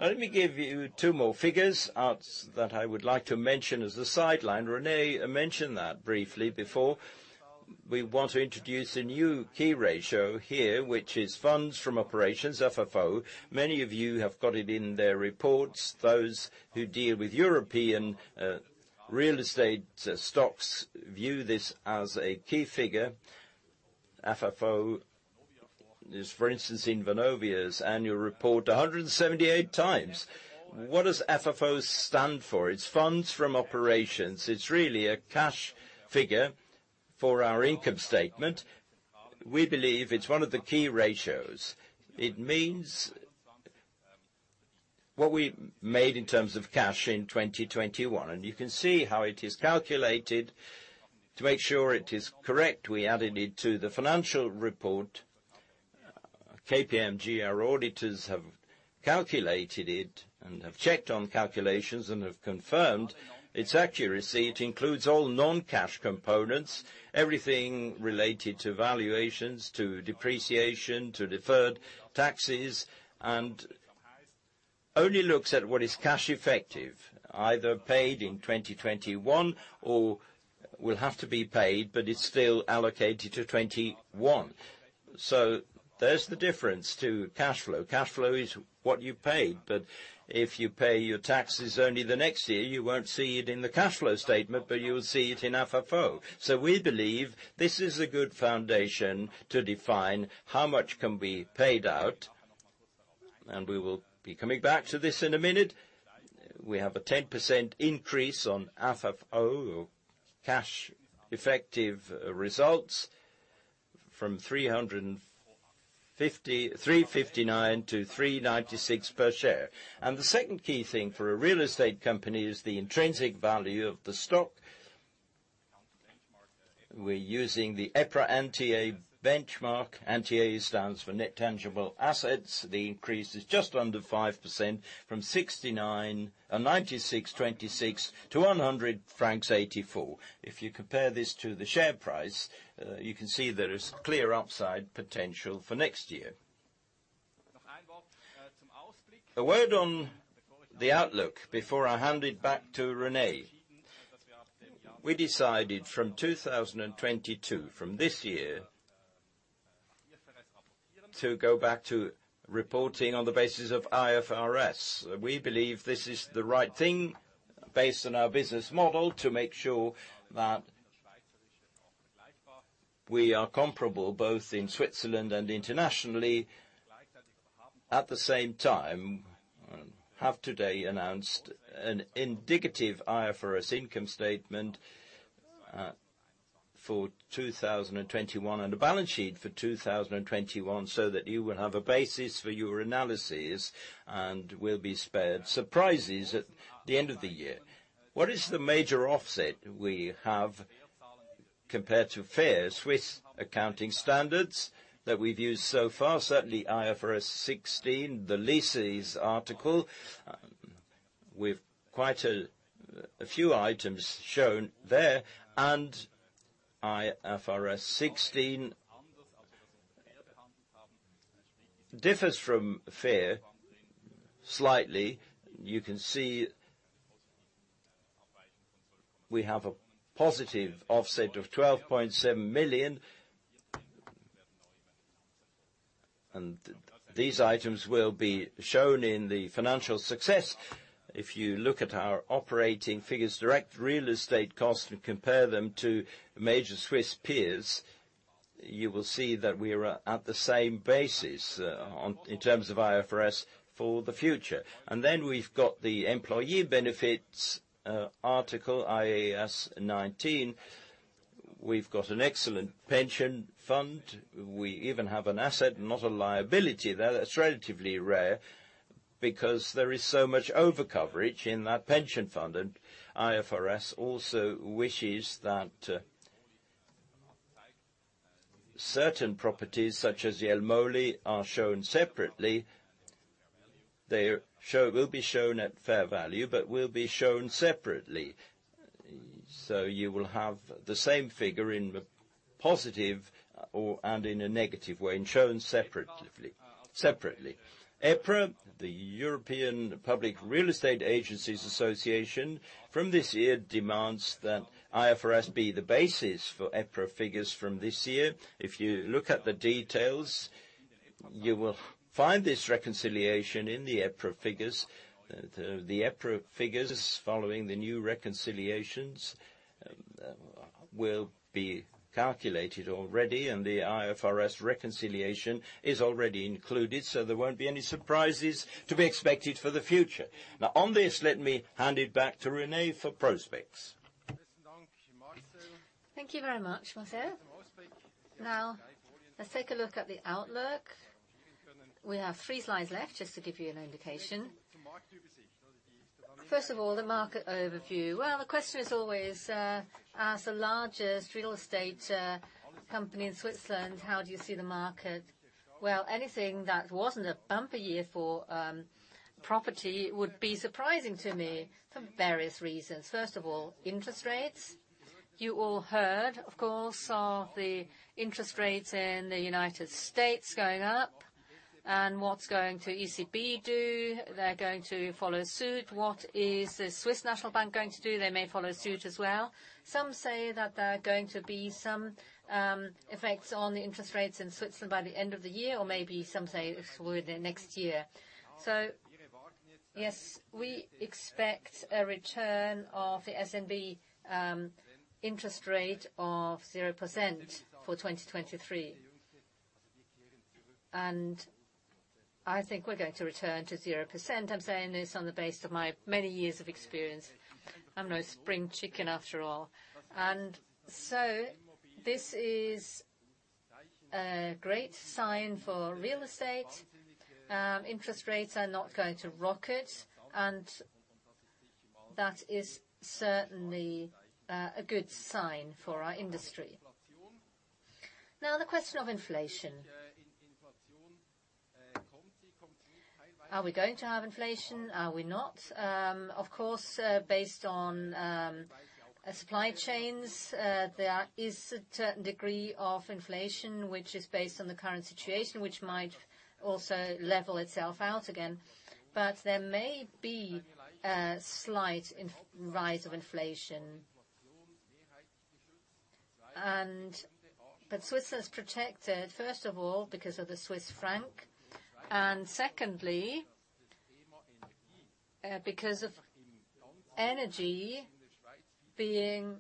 Speaker 2: Now, let me give you two more figures that I would like to mention as a sideline. René mentioned that briefly before. We want to introduce a new key ratio here, which is funds from operations, FFO. Many of you have got it in their reports. Those who deal with European real estate stocks view this as a key figure. FFO is, for instance, in Vonovia's annual report 178x. What does FFO stand for? It's funds from operations. It's really a cash figure for our income statement. We believe it's one of the key ratios. It means what we made in terms of cash in 2021. You can see how it is calculated. To make sure it is correct, we added it to the financial report. KPMG, our auditors, have calculated it and have checked on calculations and have confirmed its accuracy. It includes all non-cash components, everything related to valuations, to depreciation, to deferred taxes, and only looks at what is cash effective, either paid in 2021 or will have to be paid, but it's still allocated to 2021. There's the difference to cash flow. Cash flow is what you pay, but if you pay your taxes only the next year, you won't see it in the cash flow statement, but you will see it in FFO. We believe this is a good foundation to define how much can be paid out, and we will be coming back to this in a minute. We have a 10% increase on FFO or cash effective results from 3.59 to 3.96 per share. The second key thing for a real estate company is the intrinsic value of the stock. We're using the EPRA NTA benchmark. NTA stands for net tangible assets. The increase is just under 5% from 96.26 to 100.84 francs. If you compare this to the share price, you can see there is clear upside potential for next year. A word on the outlook before I hand it back to René. We decided from 2022, from this year, to go back to reporting on the basis of IFRS. We believe this is the right thing based on our business model to make sure that we are comparable both in Switzerland and internationally. At the same time, we have today announced an indicative IFRS income statement for 2021 and a balance sheet for 2021, so that you will have a basis for your analysis and will be spared surprises at the end of the year. What is the major offset we have compared to FER Swiss accounting standards that we've used so far? Certainly IFRS 16, the leases article, with quite a few items shown there. IFRS 16 differs from FER slightly. You can see we have a positive offset of 12.7 million. These items will be shown in the financial success. If you look at our operating figures, direct real estate costs, and compare them to major Swiss peers, you will see that we are at the same basis, on, in terms of IFRS for the future. Then we've got the employee benefits, article IAS 19. We've got an excellent pension fund. We even have an asset, not a liability there. That's relatively rare because there is so much overcoverage in that pension fund. IFRS also wishes that certain properties, such as the Jelmoli, are shown separately. They will be shown at fair value, but will be shown separately. So you will have the same figure in the positive or and in a negative way and shown separately. EPRA, the European Public Real Estate Association, from this year demands that IFRS be the basis for EPRA figures from this year. If you look at the details, you will find this reconciliation in the EPRA figures. The EPRA figures, following the new reconciliations, will be calculated already, and the IFRS reconciliation is already included, so there won't be any surprises to be expected for the future. Now on this, let me hand it back to René for prospects.
Speaker 1: Thank you very much, Marcel. Now, let's take a look at the outlook. We have three slides left, just to give you an indication. First of all, the market overview. Well, the question is always, as the largest real estate company in Switzerland, how do you see the market? Well, anything that wasn't a bumper year for property would be surprising to me for various reasons. First of all, interest rates. You all heard, of course, of the interest rates in the United States going up. What's going to ECB do? They're going to follow suit. What is the Swiss National Bank going to do? They may follow suit as well. Some say that there are going to be some effects on the interest rates in Switzerland by the end of the year, or maybe some say it's toward the next year. Yes, we expect a return of the SNB interest rate of 0% for 2023. I think we're going to return to 0%. I'm saying this on the basis of my many years of experience. I'm no spring chicken, after all. This is a great sign for real estate. Interest rates are not going to rocket, and that is certainly a good sign for our industry. Now, the question of inflation. Are we going to have inflation? Are we not? Of course, based on supply chains, there is a certain degree of inflation which is based on the current situation, which might also level itself out again. There may be a slight rise in inflation. Switzerland's protected, first of all, because of the Swiss franc, and secondly, because of energy being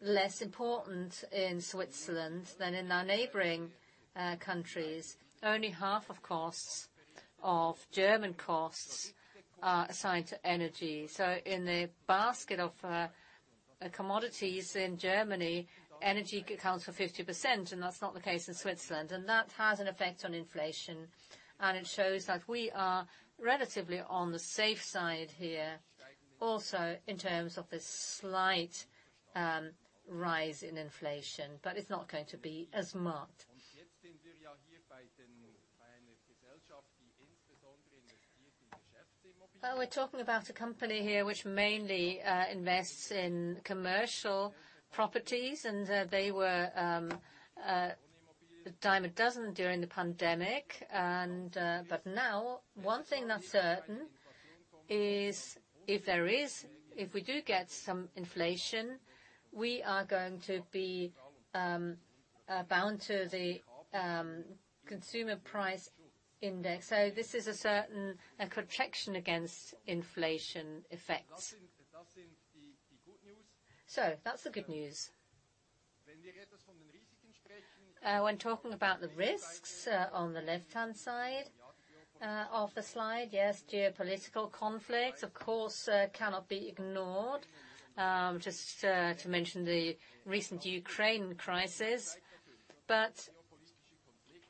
Speaker 1: less important in Switzerland than in our neighboring countries. Only half, of course, of German costs are assigned to energy. In the basket of commodities in Germany, energy accounts for 50%, and that's not the case in Switzerland, and that has an effect on inflation. It shows that we are relatively on the safe side here, also in terms of a slight rise in inflation, but it's not going to be as marked. We're talking about a company here which mainly invests in commercial properties, and they were a dime a dozen during the pandemic. Now, one thing that's certain is if we do get some inflation, we are going to be bound to the consumer price index. This is a certain, a protection against inflation effects. That's the good news. When talking about the risks, on the left-hand side of the slide, yes, geopolitical conflicts, of course, cannot be ignored. Just to mention the recent Ukraine crisis.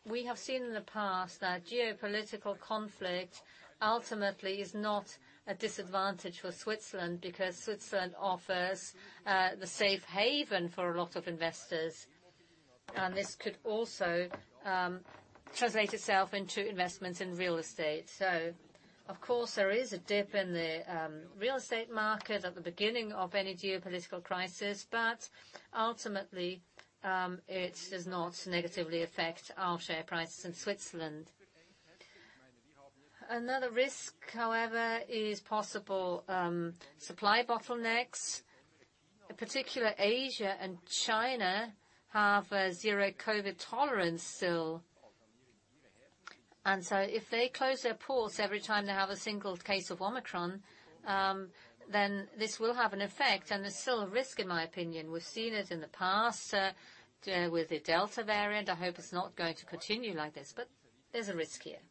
Speaker 1: We have seen in the past that geopolitical conflict ultimately is not a disadvantage for Switzerland, because Switzerland offers the safe haven for a lot of investors. This could also translate itself into investments in real estate. Of course, there is a dip in the real estate market at the beginning of any geopolitical crisis, but ultimately, it does not negatively affect our share price in Switzerland. Another risk, however, is possible supply bottlenecks. In particular, Asia and China have a zero-COVID tolerance still. If they close their ports every time they have a single case of Omicron, then this will have an effect. There's still a risk, in my opinion. We've seen it in the past with the Delta variant. I hope it's not going to continue like this, but there's a risk here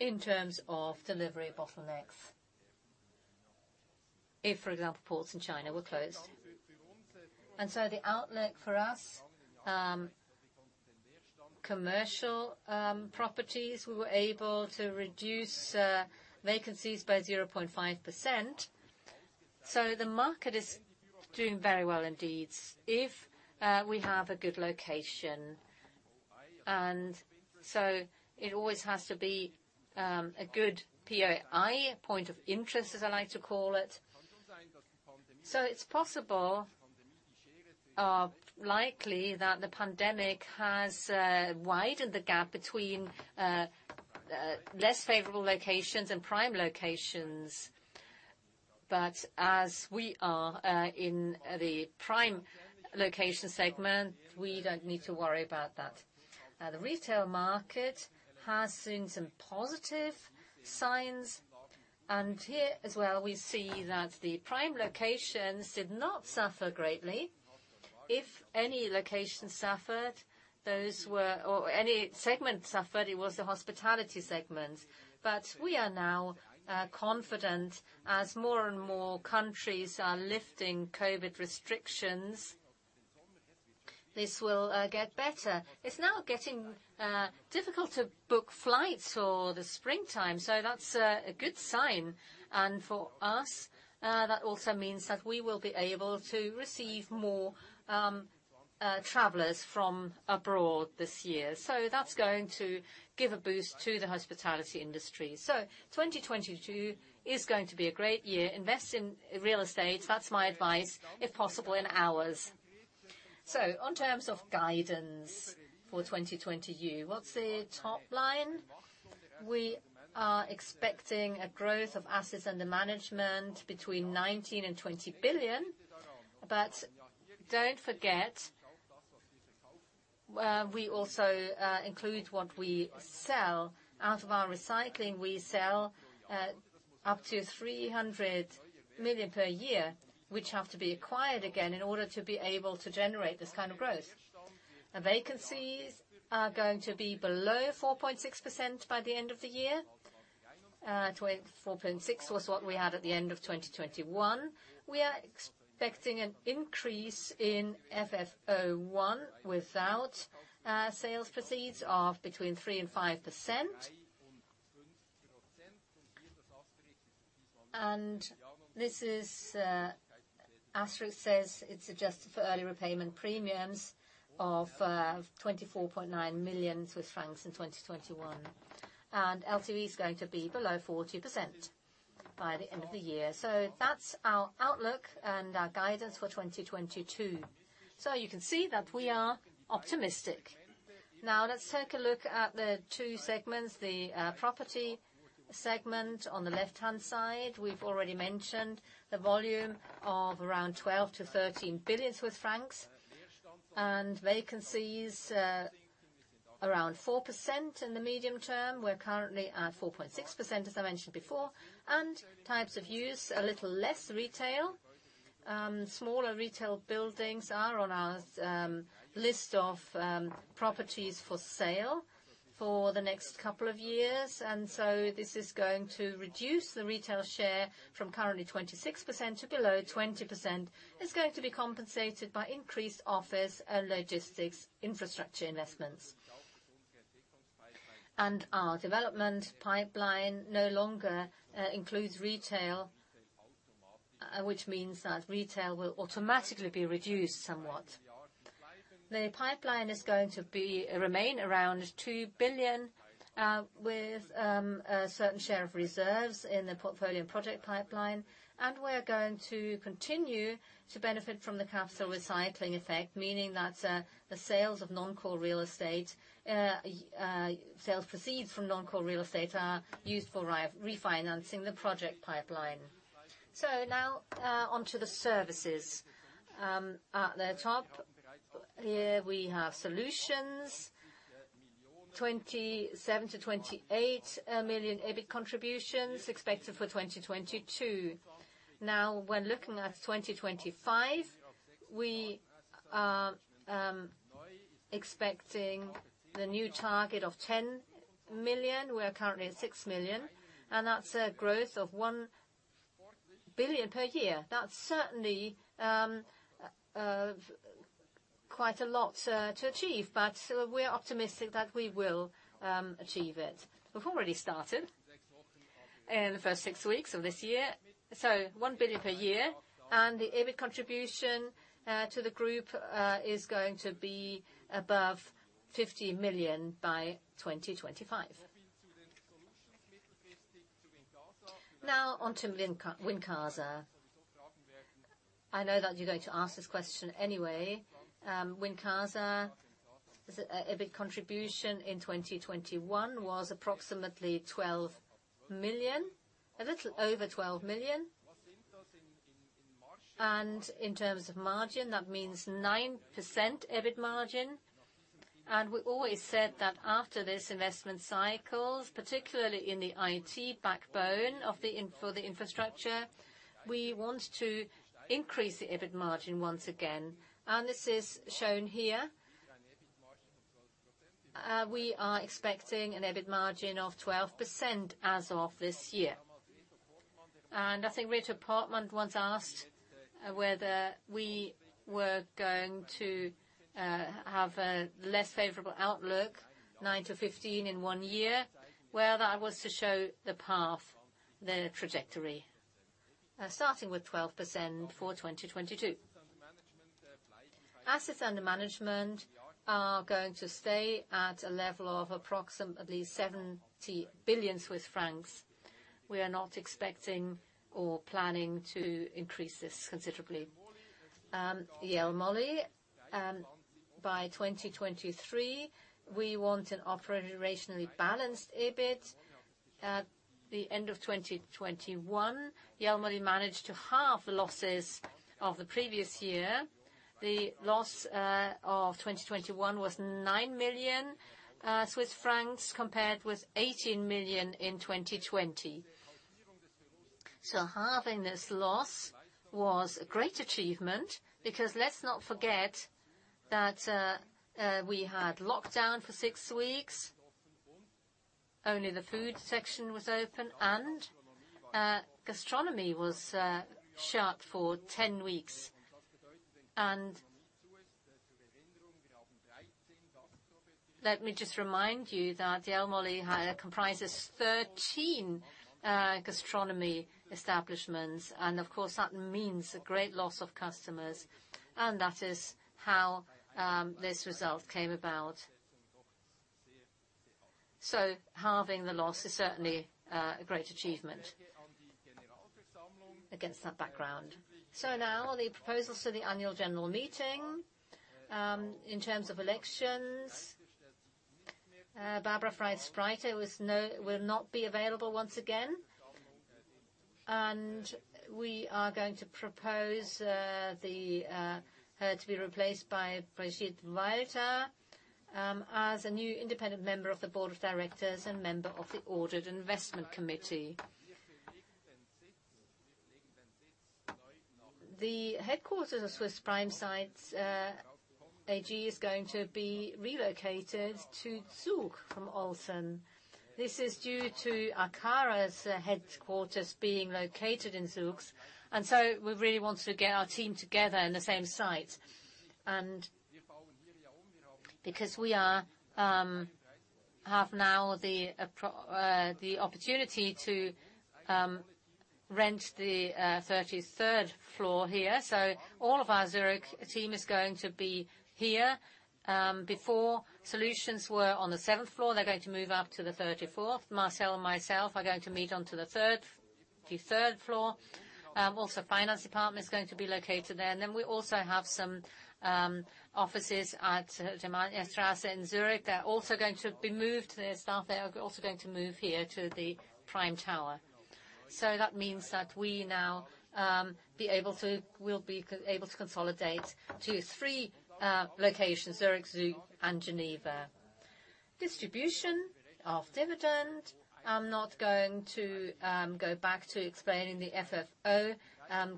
Speaker 1: in terms of delivery bottlenecks if, for example, ports in China were closed. The outlook for us commercial properties, we were able to reduce vacancies by 0.5%. The market is doing very well indeed. If we have a good location. It always has to be a good POI, point of interest, as I like to call it. It's possible, likely that the pandemic has widened the gap between less favorable locations and prime locations. As we are in the prime location segment, we don't need to worry about that. The retail market has seen some positive signs. Here as well, we see that the prime locations did not suffer greatly. If any location suffered, or any segment suffered, it was the hospitality segment. We are now confident as more and more countries are lifting COVID restrictions, this will get better. It's now getting difficult to book flights for the springtime, so that's a good sign. For us, that also means that we will be able to receive more travelers from abroad this year. That's going to give a boost to the hospitality industry. 2022 is going to be a great year. Invest in real estate, that's my advice, if possible in ours. In terms of guidance for 2022, what's the top line? We are expecting a growth of assets under management between 19 billion and 20 billion. But don't forget, we also include what we sell. Out of our recycling, we sell up to 300 million per year, which have to be acquired again in order to be able to generate this kind of growth. Now vacancies are going to be below 4.6% by the end of the year. 4.6% was what we had at the end of 2021. We are expecting an increase in FFO one without sales proceeds of between 3% and 5%. This is, asterisk says it's adjusted for early repayment premiums of 24.9 million Swiss francs in 2021. LTV is going to be below 40% by the end of the year. That's our outlook and our guidance for 2022. You can see that we are optimistic. Now let's take a look at the two segments, the property segment on the left-hand side. We've already mentioned the volume of around 12 billion-13 billion Swiss francs. Vacancies, around 4% in the medium term. We're currently at 4.6%, as I mentioned before. Types of use, a little less retail. Smaller retail buildings are on our list of properties for sale for the next couple of years. This is going to reduce the retail share from currently 26% to below 20%. It's going to be compensated by increased office and logistics infrastructure investments. Our development pipeline no longer includes retail, which means that retail will automatically be reduced somewhat. The pipeline is going to remain around 2 billion, with a certain share of reserves in the portfolio project pipeline. We're going to continue to benefit from the capital recycling effect. Meaning that the sales proceeds from non-core real estate are used for refinancing the project pipeline. Now onto the services. At the top here we have solutions, 27 million-28 million EBIT contributions expected for 2022. When looking at 2025, we are expecting the new target of 10 million. We are currently at 6 million, and that's a growth of 1 billion per year. That's certainly a quite a lot to achieve, but we're optimistic that we will achieve it. We've already started in the first six weeks of this year. 1 billion per year. The EBIT contribution to the group is going to be above 50 million by 2025. Now on to Wincasa. I know that you're going to ask this question anyway. Wincasa's EBIT contribution in 2021 was approximately 12 million, a little over 12 million. In terms of margin, that means 9% EBIT margin. We always said that after this investment cycles, particularly in the IT backbone for the infrastructure, we want to increase the EBIT margin once again. This is shown here. We are expecting an EBIT margin of 12% as of this year. I think Richard Portman once asked whether we were going to have a less favorable outlook, 9%-15% in one year. Well, that was to show the path, the trajectory. Starting with 12% for 2022. Assets under management are going to stay at a level of approximately 70 billion Swiss francs. We are not expecting or planning to increase this considerably. Jelmoli, by 2023, we want an operationally balanced EBIT. At the end of 2021, Jelmoli managed to halve losses of the previous year. The loss of 2021 was 9 million Swiss francs compared with 18 million in 2020. Halving this loss was a great achievement because let's not forget that we had lockdown for six weeks. Only the food section was open and gastronomy was shut for 10 weeks. Let me just remind you that Jelmoli comprises 13 gastronomy establishments and, of course, that means a great loss of customers, and that is how this result came about. Halving the loss is certainly a great achievement against that background. Now the proposals to the annual general meeting. In terms of elections, Barbara Frei-Spreiter will not be available once again. We are going to propose her to be replaced by Brigitte Walter as a new independent member of the board of directors and member of the audit and investment committee. The headquarters of Swiss Prime Site AG is going to be relocated to Zug from Olten. This is due to Akara's headquarters being located in Zug. We really want to get our team together in the same site. Because we have now the opportunity to rent the 33rd floor here, all of our Zurich team is going to be here. Before, Solutions were on the 7th floor. They are going to move up to the 34th. Marcel and myself are going to move on to the 3rd floor. Also, the finance department is going to be located there. We also have some offices at Hardstrasse in Zurich. They're also going to be moved. The staff there are also going to move here to the Prime Tower. That means that we now will be able to consolidate to three locations, Zurich, Zug, and Geneva. Distribution of dividend. I'm not going to go back to explaining the FFO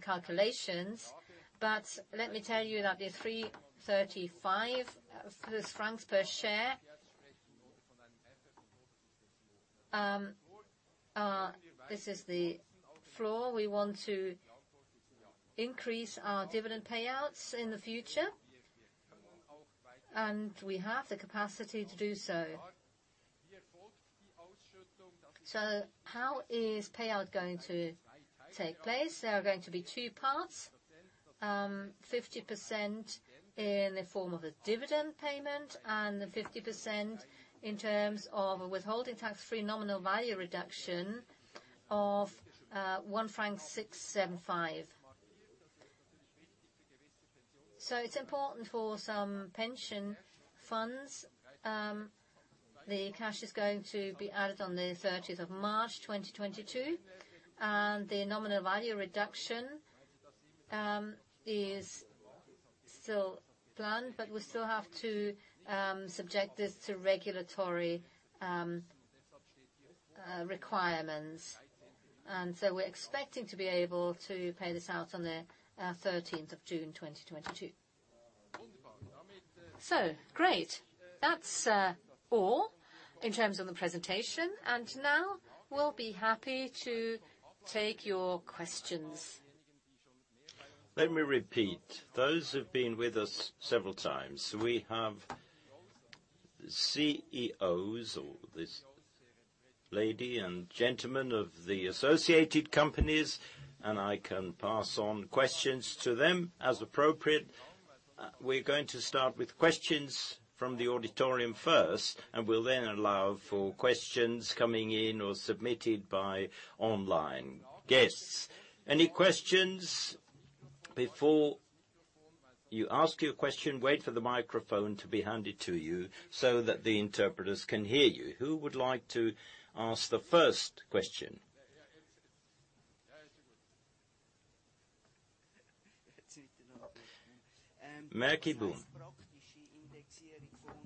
Speaker 1: calculations, but let me tell you that the 3.35 francs per share are. This is the floor. We want to increase our dividend payouts in the future, and we have the capacity to do so. How is payout going to take place? There are going to be two parts, 50% in the form of a dividend payment and 50% in terms of a withholding tax-free nominal value reduction of 1.675 franc. It's important for some pension funds. The cash is going to be added on the 13th of March 2022, and the nominal value reduction is still planned, but we still have to subject this to regulatory requirements. We're expecting to be able to pay this out on the 13th of June 2022. Great. That's all in terms of the presentation, and now we'll be happy to take your questions. Let me repeat. Those who've been with us several times, we have CEOs or this lady and gentleman of the associated companies, and I can pass on questions to them as appropriate. We're going to start with questions from the auditorium first, and we'll then allow for questions coming in or submitted by online guests. Any questions? Before you ask your question, wait for the microphone to be handed to you so that the interpreters can hear you. Who would like to ask the first question?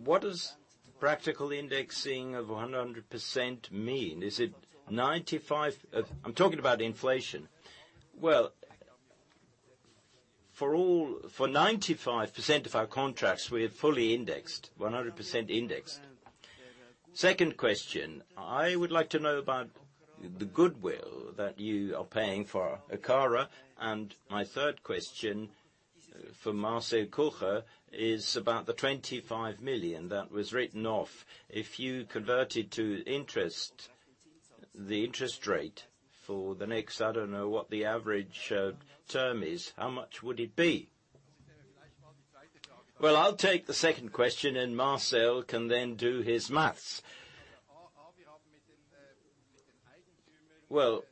Speaker 3: What does practical indexing of 100% mean? Is it 95%? I'm talking about inflation.
Speaker 1: Well, for 95% of our contracts, we are fully indexed, 100% indexed.
Speaker 3: Second question, I would like to know about the goodwill that you are paying for Akara. My third question for Marcel Kucher is about the 25 million that was written off. If you convert it to interest, the interest rate for the next, I don't know what the average term is, how much would it be?
Speaker 1: Well, I'll take the second question, and Marcel can then do his math. Well,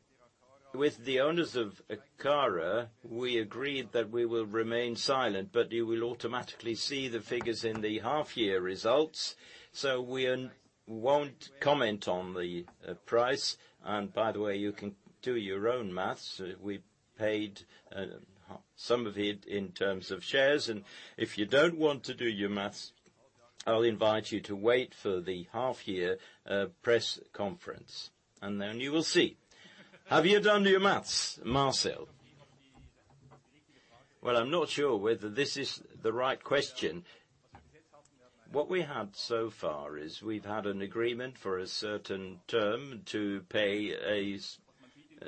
Speaker 1: with the owners of Akara, we agreed that we will remain silent, but you will automatically see the figures in the half-year results. So we won't comment on the price. And by the way, you can do your own math. We paid some of it in terms of shares. And if you don't want to do your math, I'll invite you to wait for the half-year press conference, and then you will see. Have you done your math, Marcel?
Speaker 2: Well, I'm not sure whether this is the right question. What we had so far is we've had an agreement for a certain term to pay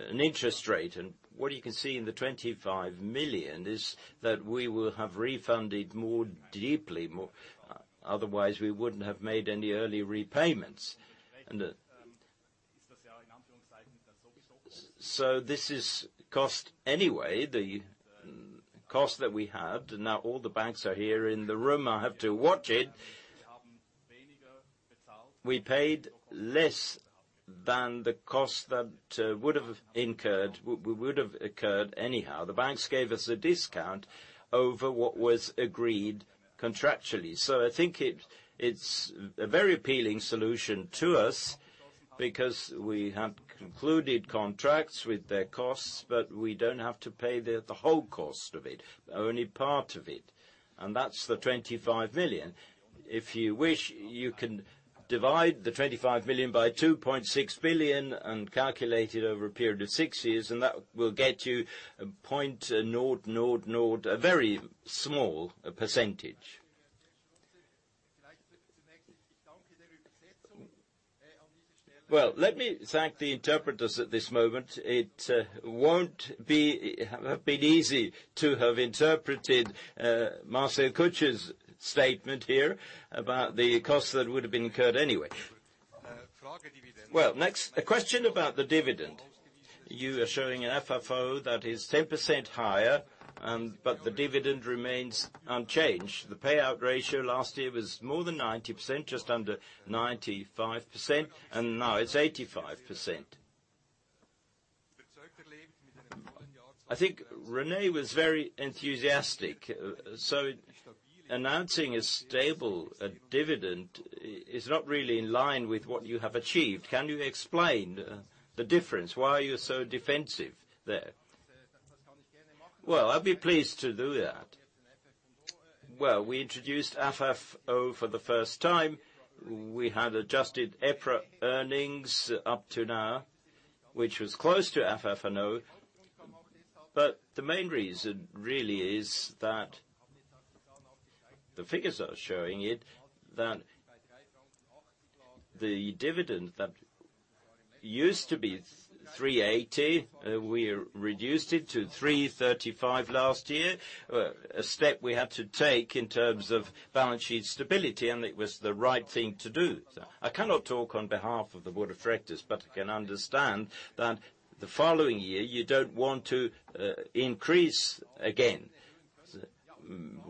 Speaker 2: an interest rate. What you can see in the 25 million is that we will have refunded more deeply, otherwise we wouldn't have made any early repayments. This is cost anyway. The cost that we had. Now all the banks are here in the room, I have to watch it. We paid less than the cost that would have incurred anyhow. The banks gave us a discount over what was agreed contractually. I think it's a very appealing solution to us because we had concluded contracts with their costs, but we don't have to pay the whole cost of it, only part of it. That's the 25 million. If you wish, you can divide the 25 million by 2.6 billion and calculate it over a period of 6 years, and that will get you a 0.001. A very small percentage.
Speaker 1: Let me thank the interpreters at this moment. It won't have been easy to have interpreted Marcel Kucher's statement here about the costs that would have been incurred anyway. Next.
Speaker 4: A question about the dividend. You are showing an FFO that is 10% higher, but the dividend remains unchanged. The payout ratio last year was more than 90%, just under 95%, and now it's 85%. I think René was very enthusiastic. Announcing a stable dividend is not really in line with what you have achieved. Can you explain the difference? Why are you so defensive there?
Speaker 1: Well, I'd be pleased to do that. Well, we introduced FFO for the first time. We had adjusted EPRA earnings up to now, which was close to FFO. The main reason really is that the figures are showing it, that the dividend that used to be 3.80, we reduced it to 3.35 last year. A step we had to take in terms of balance sheet stability, and it was the right thing to do. I cannot talk on behalf of the board of directors, but I can understand that the following year you don't want to increase again.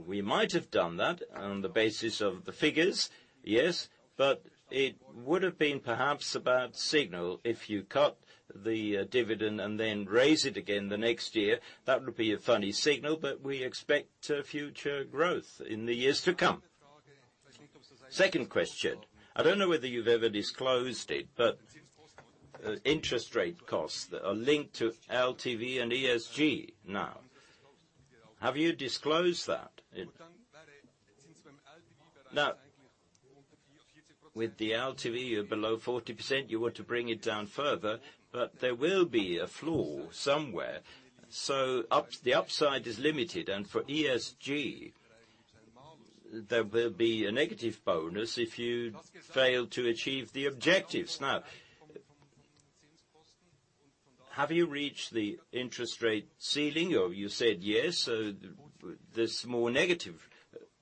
Speaker 1: We might have done that on the basis of the figures, yes, but it would have been perhaps a bad signal if you cut the dividend and then raise it again the next year. That would be a funny signal, but we expect future growth in the years to come.
Speaker 4: Second question. I don't know whether you've ever disclosed it, but interest rate costs are linked to LTV and ESG now. Have you disclosed that? Now, with the LTV, you're below 40%, you want to bring it down further, but there will be a floor somewhere. The upside is limited. For ESG, there will be a negative bonus if you fail to achieve the objectives. Now, have you reached the interest rate ceiling? Or you said yes, there's more negative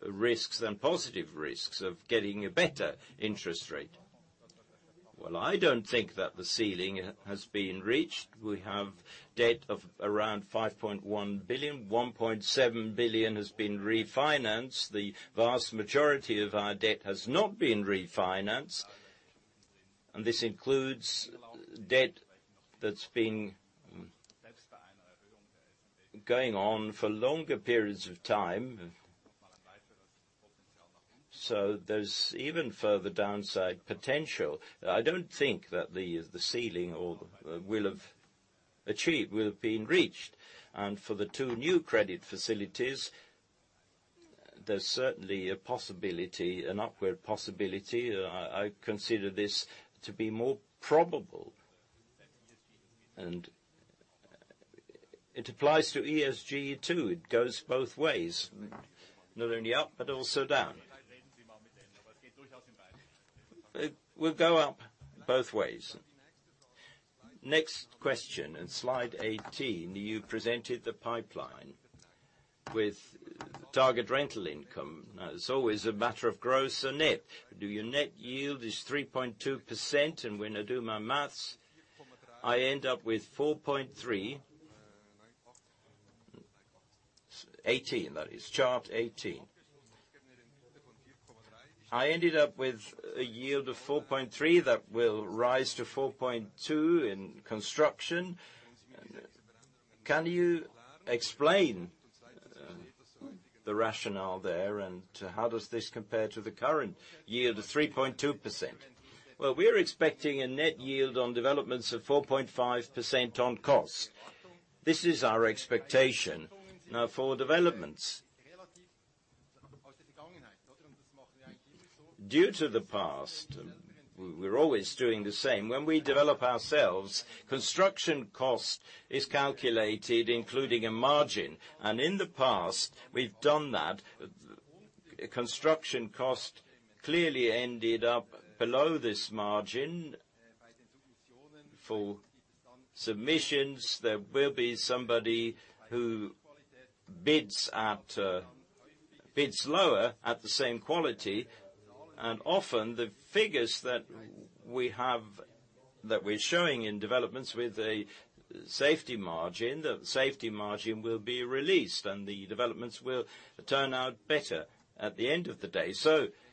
Speaker 4: risks than positive risks of getting a better interest rate.
Speaker 1: Well, I don't think that the ceiling has been reached. We have debt of around 5.1 billion. 1.7 billion has been refinanced. The vast majority of our debt has not been refinanced, and this includes debt that's been going on for longer periods of time. There's even further downside potential. I don't think that the ceiling or the cap will have been reached. For the two new credit facilities, there's certainly a possibility, an upward possibility. I consider this to be more probable. It applies to ESG too. It goes both ways, not only up but also down. We'll go both ways. Next question.
Speaker 5: In slide 18, you presented the pipeline with target rental income. Now, it's always a matter of gross or net. So your net yield is 3.2%, and when I do my math, I end up with 4.3%. Slide 18, that is. Chart 18. I ended up with a yield of 4.3% that will rise to 4.2% in construction. Can you explain the rationale there, and how does this compare to the current yield of 3.2%?
Speaker 1: Well, we are expecting a net yield on developments of 4.5% on cost. This is our expectation now for developments. Due to the past, we're always doing the same. When we develop ourselves, construction cost is calculated including a margin, and in the past, we've done that. Construction cost clearly ended up below this margin. For submissions, there will be somebody who bids lower at the same quality. Often, the figures that we have that we're showing in developments with a safety margin, the safety margin will be released, and the developments will turn out better at the end of the day.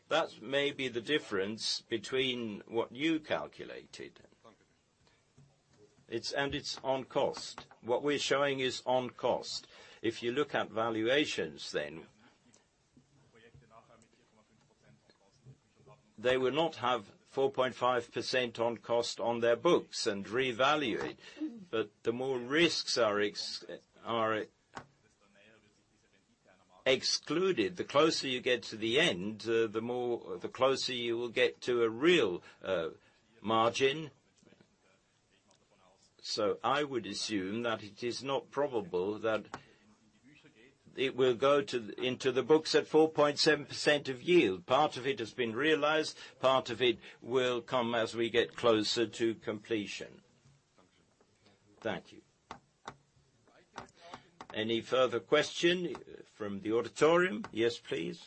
Speaker 1: That may be the difference between what you calculated. It's on cost. What we're showing is on cost. If you look at valuations, then they will not have 4.5% on cost on their books and revalue it. The more risks are excluded, the closer you get to the end, the closer you will get to a real margin. I would assume that it is not probable that it will go into the books at 4.7% of yield. Part of it has been realized, part of it will come as we get closer to completion. Thank you. Any further question from the auditorium? Yes, please.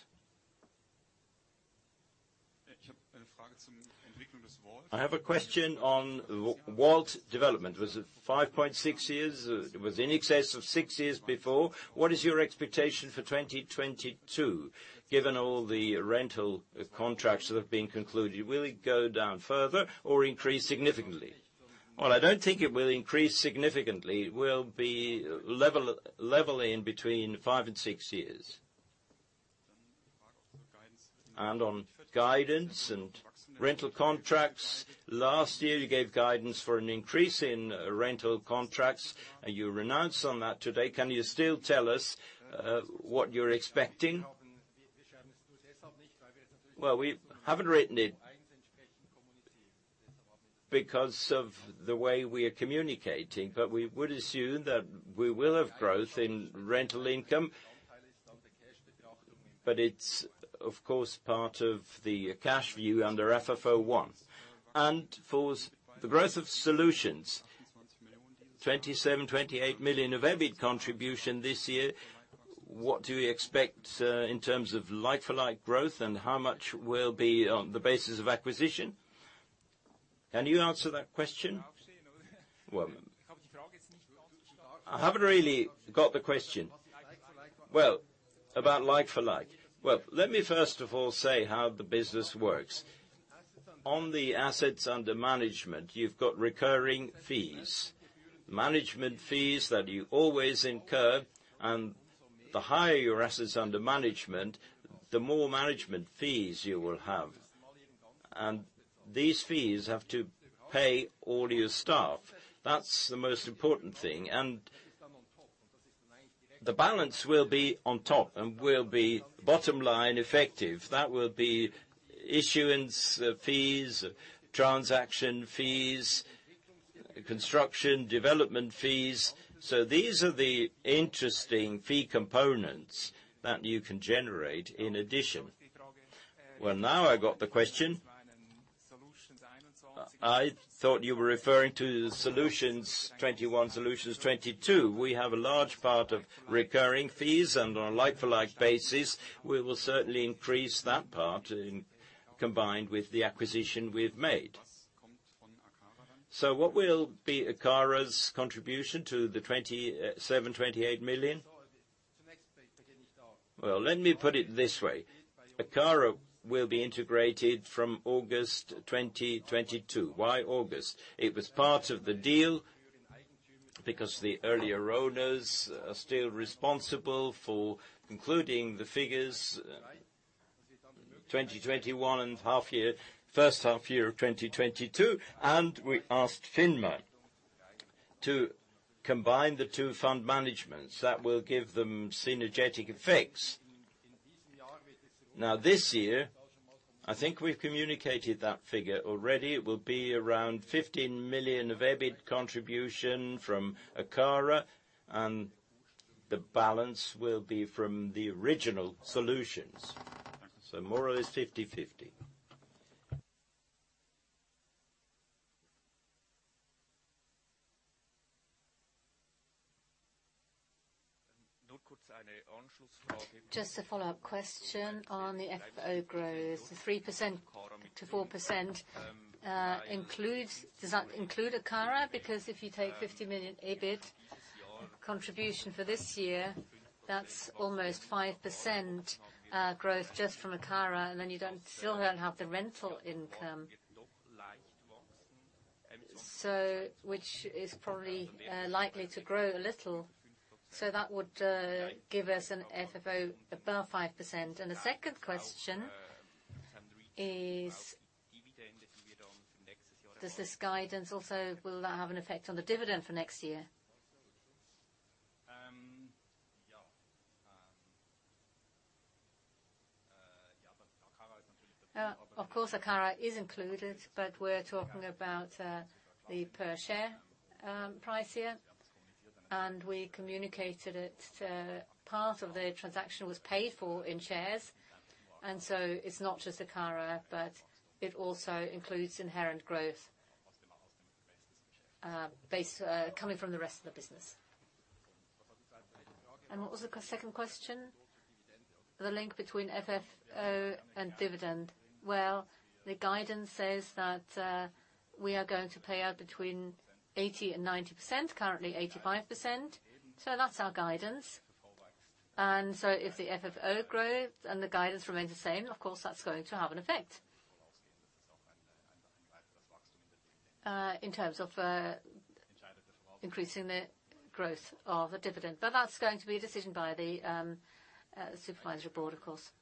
Speaker 6: I have a question on WALT development. Was it 5.6 years? Was it in excess of six years before? What is your expectation for 2022, given all the rental contracts that have been concluded? Will it go down further or increase significantly?
Speaker 1: Well, I don't think it will increase significantly. It will be level in between five and six years.
Speaker 6: On guidance and rental contracts, last year you gave guidance for an increase in rental contracts, and you reneged on that today. Can you still tell us what you're expecting?
Speaker 1: Well, we haven't written it because of the way we are communicating. We would assume that we will have growth in rental income. It's, of course, part of the cash view under FFO one.
Speaker 6: For the growth of solutions, 27 million-28 million of EBIT contribution this year. What do you expect in terms of like-for-like growth, and how much will be on the basis of acquisition? Can you answer that question?
Speaker 1: Well, I haven't really got the question.
Speaker 6: Well, about like-for-like.
Speaker 1: Well, let me first of all say how the business works. On the assets under management, you've got recurring fees, management fees that you always incur. The higher your assets under management, the more management fees you will have. These fees have to pay all your staff. That's the most important thing. The balance will be on top and will be bottom line effective. That will be issuance fees, transaction fees, construction, development fees. These are the interesting fee components that you can generate in addition. Well, now I got the question. I thought you were referring to Solutions 2021, Solutions 2022. We have a large part of recurring fees, and on a like-for-like basis, we will certainly increase that part in combination with the acquisition we've made.
Speaker 6: What will be Akara's contribution to the 27 million-28 million?
Speaker 1: Well, let me put it this way. Akara will be integrated from August 2022. Why August? It was part of the deal because the earlier owners are still responsible for concluding the figures 2021 and half year, first half year of 2022. We asked FINMA to combine the two fund managements. That will give them synergetic effects. Now, this year, I think we've communicated that figure already. It will be around 15 million of EBIT contribution from Akara. The balance will be from the original solutions. More or less 50/50.
Speaker 7: Just a follow-up question on the FFO growth. The 3%-4% includes. Does that include Akara? Because if you take 50 million EBIT contribution for this year, that's almost 5% growth just from Akara, and then you still don't have the rental income. Which is probably likely to grow a little. That would give us an FFO above 5%. The second question is, will that have an effect on the dividend for next year?
Speaker 1: Of course Akara is included, but we're talking about the per share price here. We communicated that part of the transaction was paid for in shares, and so it's not just Akara, but it also includes inherent growth based coming from the rest of the business. What was the second question?
Speaker 7: The link between FFO and dividend.
Speaker 1: Well, the guidance says that we are going to pay out between 80%-90%, currently 85%. That's our guidance. If the FFO grows and the guidance remains the same, of course that's going to have an effect. In terms of increasing the growth of the dividend. That's going to be a decision by the supervisory board, of course.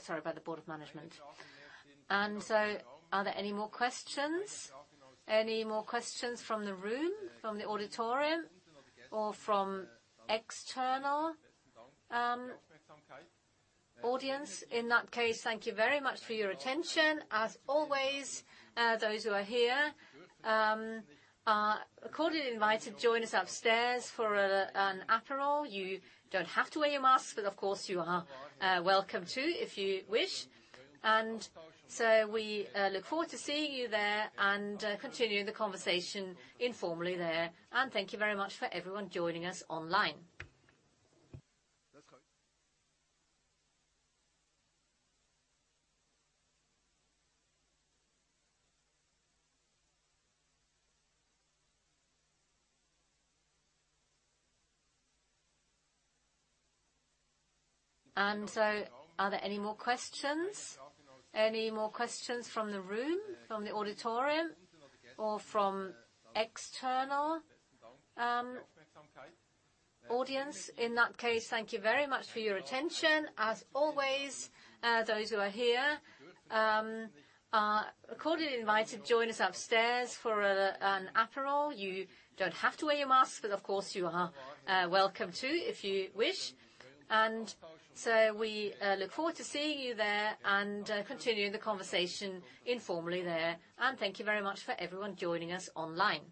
Speaker 1: Sorry, by the board of management. Are there any more questions? Any more questions from the room, from the auditorium or from external audience? In that case, thank you very much for your attention. As always, those who are here are accordingly invited to join us upstairs for an Aperol. You don't have to wear your mask, but of course you are welcome to if you wish. We look forward to seeing you there and continuing the conversation informally there. Thank you very much for everyone joining us online. Are there any more questions? Any more questions from the room, from the auditorium or from external audience? In that case, thank you very much for your attention. As always, those who are here are accordingly invited to join us upstairs for an Aperol. You don't have to wear your mask, but of course you are welcome to if you wish. We look forward to seeing you there and continuing the conversation informally there. Thank you very much for everyone joining us online.